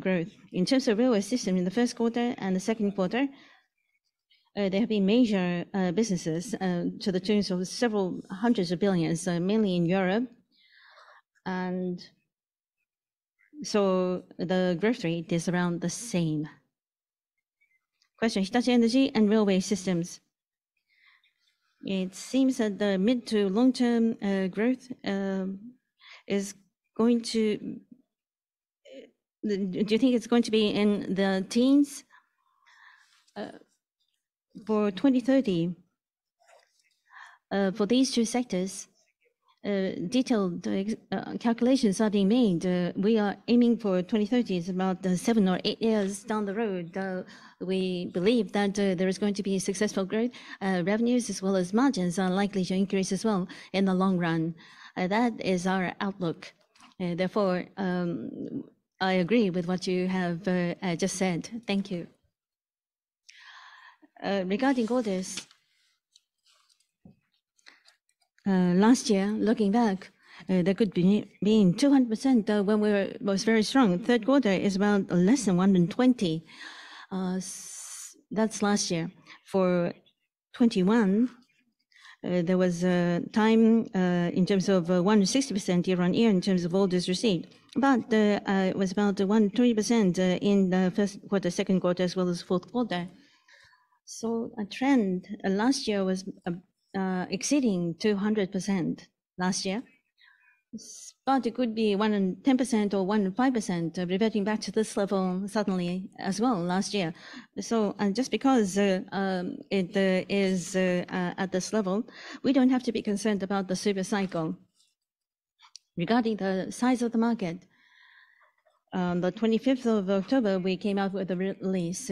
growth. In terms of railway system, in the first quarter and the second quarter, there have been major businesses to the tune of several hundred billion, mainly in Europe. And so the growth rate is around the same. Question: Hitachi Energy and Railway Systems, it seems that the mid- to long-term growth is going to... Do you think it's going to be in the teens for 2030? For these two sectors, detailed calculations are being made. We are aiming for 2030 is about seven or eight years down the road. We believe that there is going to be a successful growth. Revenues as well as margins are likely to increase as well in the long run. That is our outlook. Therefore, I agree with what you have just said. Thank you. Regarding orders, last year, looking back, there could be being 200%, when we were... was very strong. Third quarter is around less than 120. That's last year. 2021, there was a time in terms of 160% year-on-year in terms of orders received. But it was about 120% in the first quarter, second quarter, as well as fourth quarter. So a trend, and last year was exceeding 200% last year. But it could be 110% or 105%, reverting back to this level suddenly as well last year. So, and just because it is at this level, we don't have to be concerned about the super cycle. Regarding the size of the market, on the twenty-fifth of October, we came out with a release,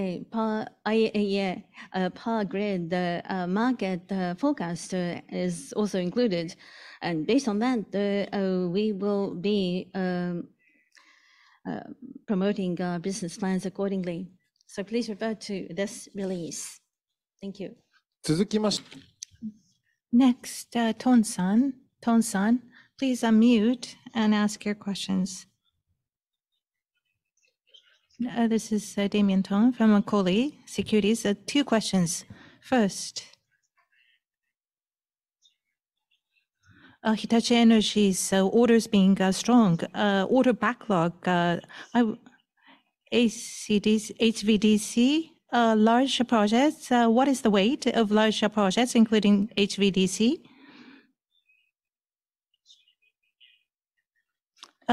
IEA Power Grid, the market forecast is also included, and based on that, we will be promoting our business plans accordingly. So please refer to this release. Thank you.... Next, Thong-san. Thong-san, please unmute and ask your questions. This is Damien Thong from Macquarie Capital. Two questions. First, Hitachi Energy's orders being strong order backlog, HVDC large projects, what is the weight of larger projects, including HVDC?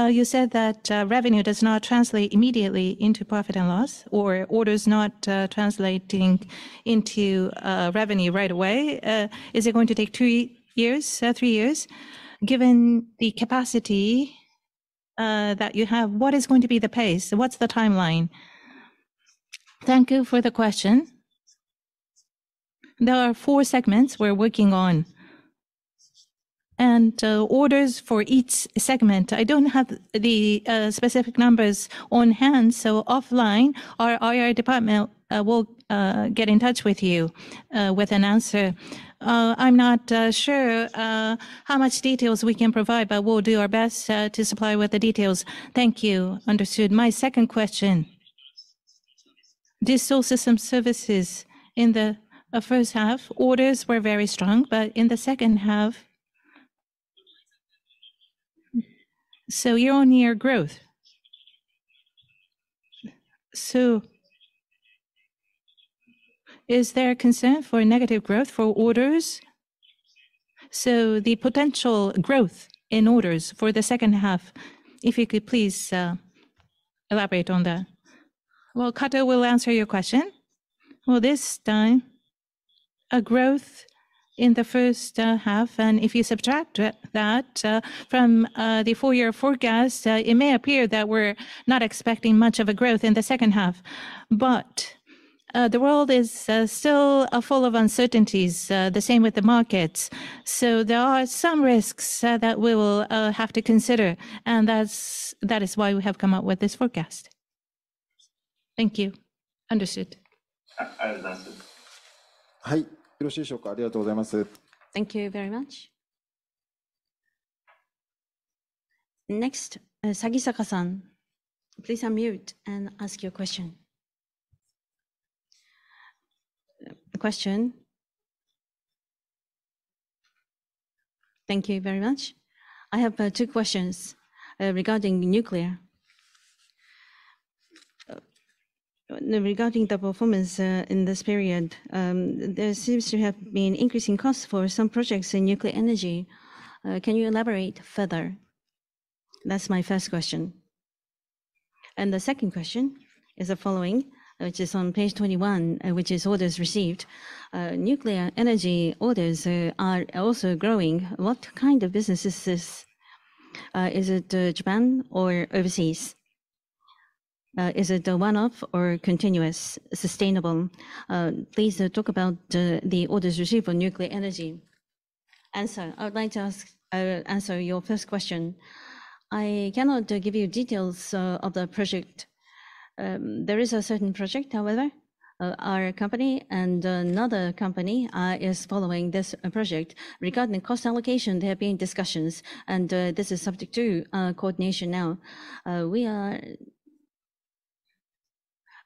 You said that revenue does not translate immediately into profit and loss, or orders not translating into revenue right away. Is it going to take 2 years, 3 years? Given the capacity that you have, what is going to be the pace? What's the timeline? Thank you for the question. There are four segments we're working on, and orders for each segment, I don't have the specific numbers on hand, so offline, our IR department will get in touch with you with an answer. I'm not sure how much details we can provide, but we'll do our best to supply you with the details. Thank you. Understood. My second question: Digital Systems & Services in the first half, orders were very strong, but in the second half... So year-on-year growth. So is there a concern for negative growth for orders? So the potential growth in orders for the second half, if you could please, elaborate on that. Well, Kato will answer your question. Well, this time, a growth in the first half, and if you subtract it, that from the full year forecast, it may appear that we're not expecting much of a growth in the second half. But, the world is still full of uncertainties, the same with the markets, so there are some risks that we will have to consider, and that's, that is why we have come up with this forecast. Thank you. Understood. Thank you very much. Next, Sagisaka-san, please unmute and ask your question. Question. Thank you very much. I have two questions regarding nuclear. Regarding the performance in this period, there seems to have been increasing costs for some projects in nuclear energy. Can you elaborate further? That's my first question. And the second question is the following, which is on page 21, which is orders received. Nuclear energy orders are also growing. What kind of business is this? Is it Japan or overseas? Is it a one-off or continuous, sustainable? Please talk about the orders received for nuclear energy. I would like to answer your first question. I cannot give you details of the project. There is a certain project, however, our company and another company is following this project. Regarding the cost allocation, there have been discussions, and this is subject to coordination now.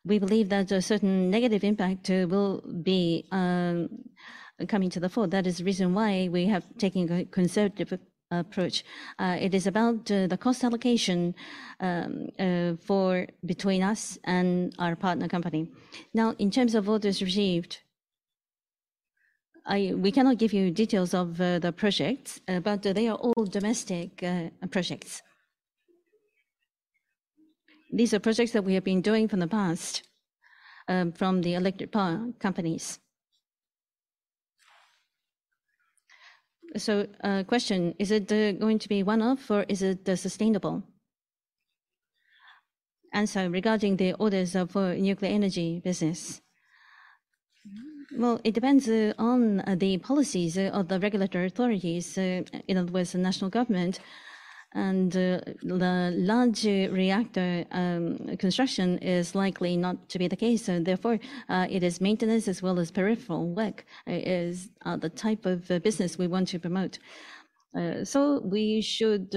We believe that a certain negative impact will be coming to the fore. That is the reason why we have taken a conservative approach. It is about the cost allocation for between us and our partner company. Now, in terms of orders received, we cannot give you details of the projects, but they are all domestic projects. These are projects that we have been doing from the past from the electric power companies. So, question: Is it going to be one-off, or is it sustainable? Answer, regarding the orders of nuclear energy business. Well, it depends on the policies of the regulatory authorities, in other words, the national government. The large reactor construction is likely not to be the case, so therefore, it is maintenance as well as peripheral work, the type of business we want to promote. So we should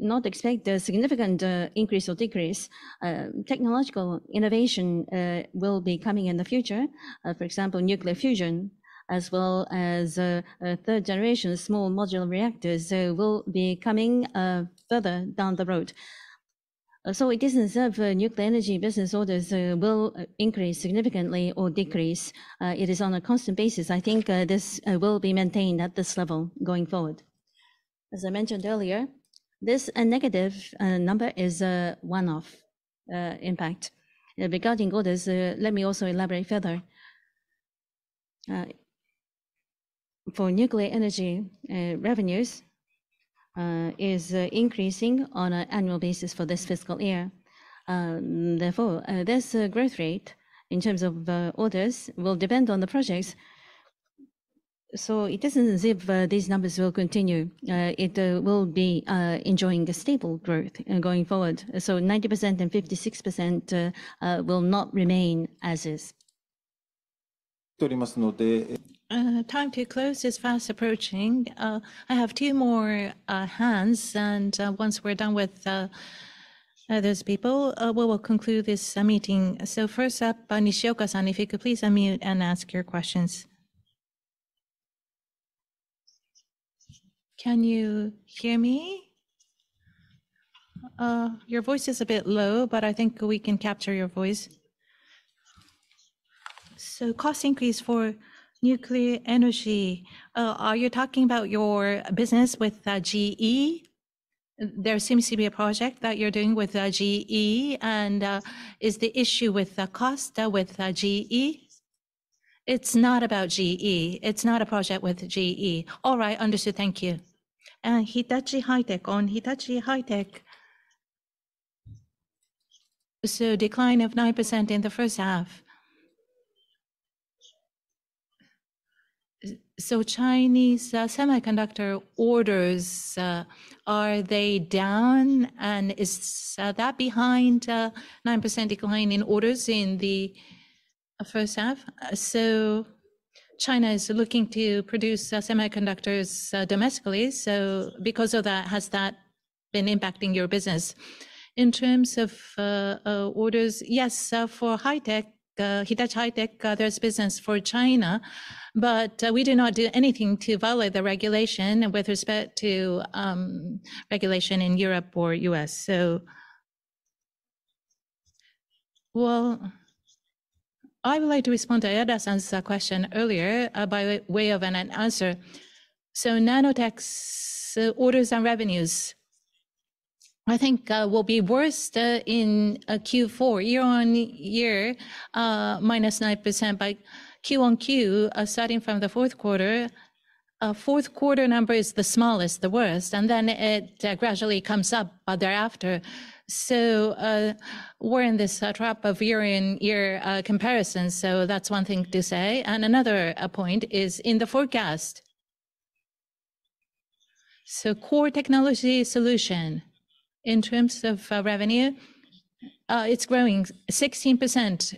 not expect a significant increase or decrease. Technological innovation will be coming in the future. For example, nuclear fusion as well as third-generation small modular reactors, so will be coming further down the road. So it isn't as if nuclear energy business orders will increase significantly or decrease. It is on a constant basis. I think this will be maintained at this level going forward. As I mentioned earlier, this negative number is a one-off impact. Regarding orders, let me also elaborate further. For nuclear energy, revenues is increasing on an annual basis for this fiscal year. Therefore, this growth rate in terms of orders will depend on the projects. So it isn't as if these numbers will continue. It will be enjoying a stable growth going forward. So 90% and 56% will not remain as is. Time to close is fast approaching. I have two more hands, and once we're done with those people, we will conclude this meeting. So first up, Nishioka-san, if you could please unmute and ask your questions. Can you hear me? Your voice is a bit low, but I think we can capture your voice. So cost increase for nuclear energy, are you talking about your business with GE? There seems to be a project that you're doing with GE, and is the issue with the cost with GE? It's not about GE. It's not a project with GE. All right. Understood. Thank you. Hitachi High-Tech. On Hitachi High-Tech... Decline of 9% in the first half. So Chinese semiconductor orders are they down, and is that behind 9% decline in orders in the first half? So China is looking to produce semiconductors domestically, so because of that, has that been impacting your business? In terms of orders, yes, for Hitachi High-Tech, there's business for China, but we do not do anything to violate the regulation with respect to regulation in Europe or U.S., so... Well, I would like to respond to Ayada-san's question earlier by way of an answer. So Nanotech's orders and revenues, I think, will be worse in Q4. Year-on-year -9% by Q on Q starting from the fourth quarter. Fourth quarter number is the smallest, the worst, and then it gradually comes up thereafter. We're in this trap of year-on-year comparison, so that's one thing to say. Another point is in the forecast. Core Technology Solutions, in terms of revenue, it's growing 16%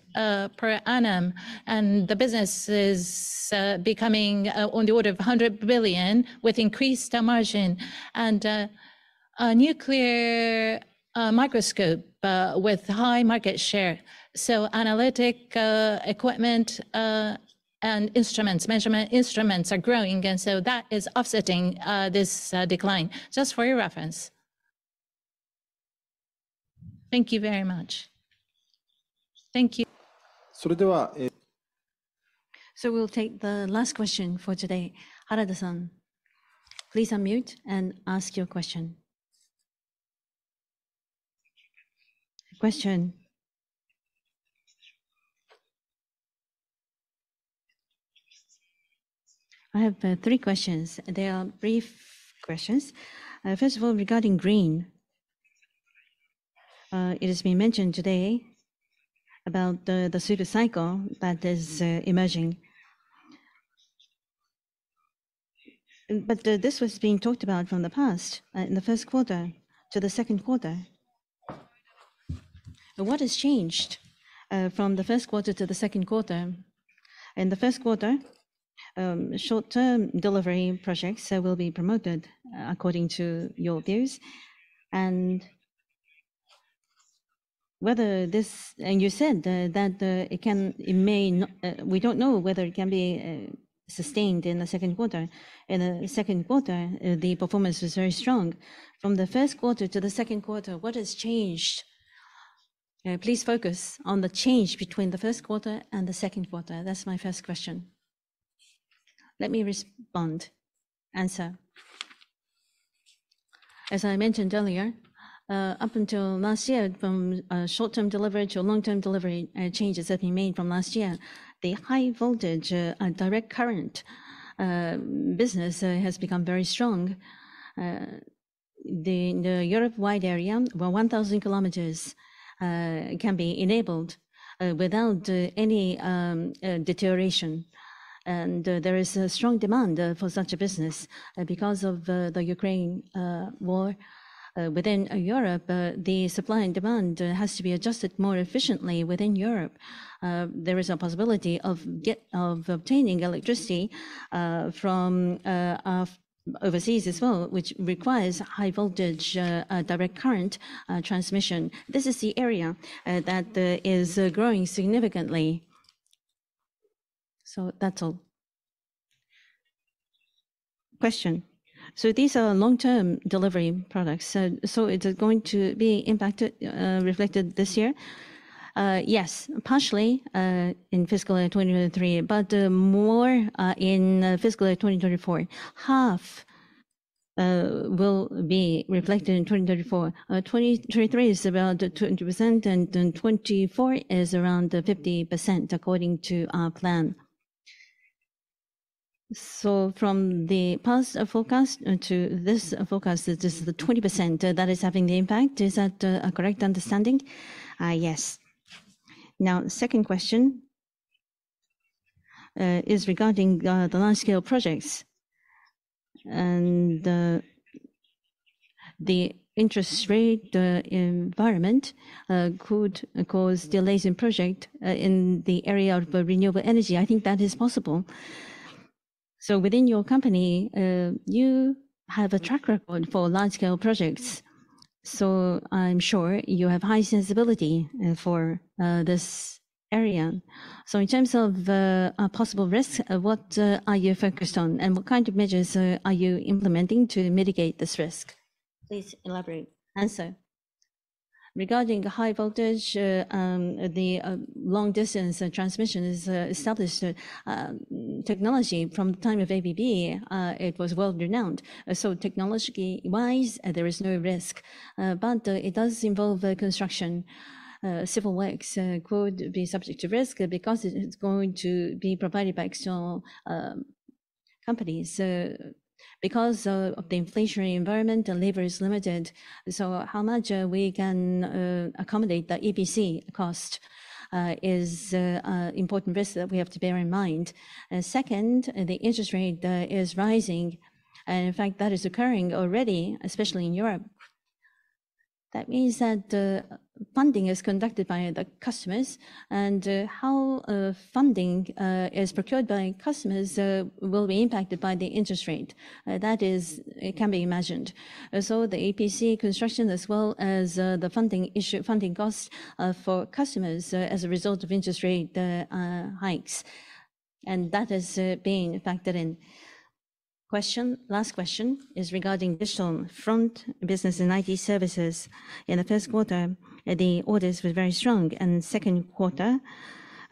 per annum, and the business is becoming on the order of 100 billion with increased margin and a nuclear microscope with high market share. Analytical equipment and instruments, measurement instruments are growing, and so that is offsetting this decline. Just for your reference. Thank you very much. Thank you. We'll take the last question for today. Harada-san, please unmute and ask your question. Question? I have three questions. They are brief questions. First of all, regarding green, it has been mentioned today about the, the super cycle that is emerging. But this was being talked about from the past, in the first quarter to the second quarter. But what has changed from the first quarter to the second quarter? In the first quarter, short-term delivery projects will be promoted according to your views, and whether this... And you said that it can, it may not... We don't know whether it can be sustained in the second quarter. In the second quarter, the performance was very strong. From the first quarter to the second quarter, what has changed? Please focus on the change between the first quarter and the second quarter. That's my first question. Let me respond, answer. As I mentioned earlier, up until last year, from short-term delivery to long-term delivery, changes have been made from last year. The high voltage and direct current business has become very strong. The Europe-wide area, about 1,000 kilometers, can be enabled without any deterioration, and there is a strong demand for such a business because of the Ukraine war. Within Europe, the supply and demand has to be adjusted more efficiently within Europe. There is a possibility of obtaining electricity from overseas as well, which requires high voltage direct current transmission. This is the area that is growing significantly. So that's all. Question: So these are long-term delivery products, so is it going to be impacted, reflected this year? Yes, partially, in fiscal year 2023, but, more, in fiscal year 2024. Half, will be reflected in 2024. 2023 is about 20%, and then 2024 is around 50%, according to our plan. So from the past forecast, to this forecast, is this the 20% that is having the impact? Is that, a correct understanding? Yes. Now, second question, is regarding, the large-scale projects. The interest rate, the environment, could cause delays in project, in the area of renewable energy. I think that is possible. So within your company, you have a track record for large-scale projects, so I'm sure you have high sensibility, for, this area. So in terms of a possible risk, what are you focused on, and what kind of measures are you implementing to mitigate this risk? Please elaborate. Answer: Regarding the high voltage, the long-distance transmission is a established technology. From the time of ABB, it was world-renowned. So technology-wise, there is no risk, but it does involve the construction. Civil works could be subject to risk because it's going to be provided by external companies. Because of the inflationary environment, the labor is limited, so how much we can accommodate the EPC cost is a important risk that we have to bear in mind. And second, the interest rate is rising, and in fact, that is occurring already, especially in Europe. That means that the funding is conducted by the customers, and how funding is procured by customers will be impacted by the interest rate. That is... it can be imagined. So the EPC construction as well as the funding issue, funding costs for customers as a result of interest rate hikes, and that is being factored in. Question, last question is regarding Digital Front Business and IT Services. In the first quarter, the orders were very strong, and second quarter,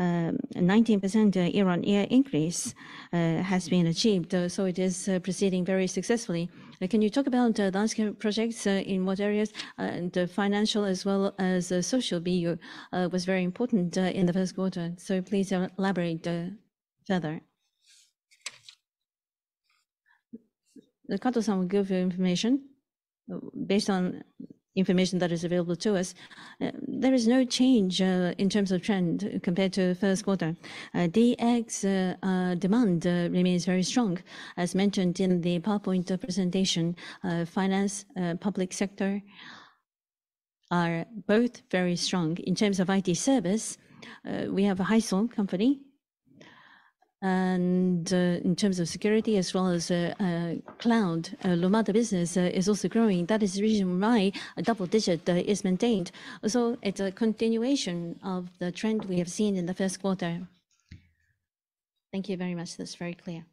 19% year-on-year increase has been achieved, so it is proceeding very successfully. Can you talk about the large-scale projects in what areas, and Financial as well as Social BU was very important in the first quarter, so please elaborate further. Kato-san will give you information. Based on information that is available to us, there is no change in terms of trend compared to first quarter. DX demand remains very strong. As mentioned in the PowerPoint presentation, finance, public sector are both very strong. In terms of IT Services, we have a high single company, and in terms of security as well as cloud, Lumada business is also growing. That is the reason why a double digit is maintained. So it's a continuation of the trend we have seen in the first quarter. Thank you very much. That's very clear.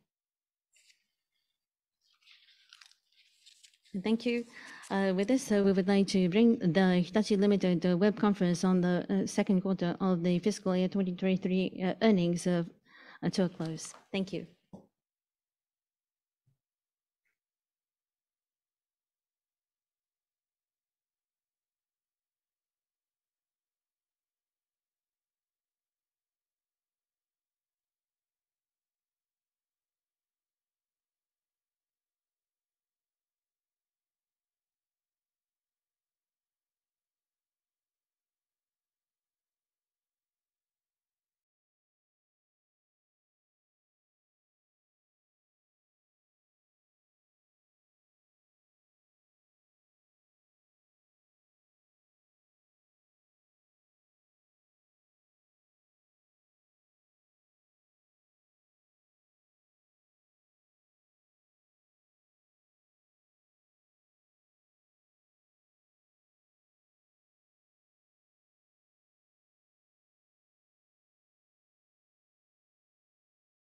Thank you. With this, we would like to bring the Hitachi Limited web conference on the second quarter of the fiscal year 2023 earnings to a close. Thank you.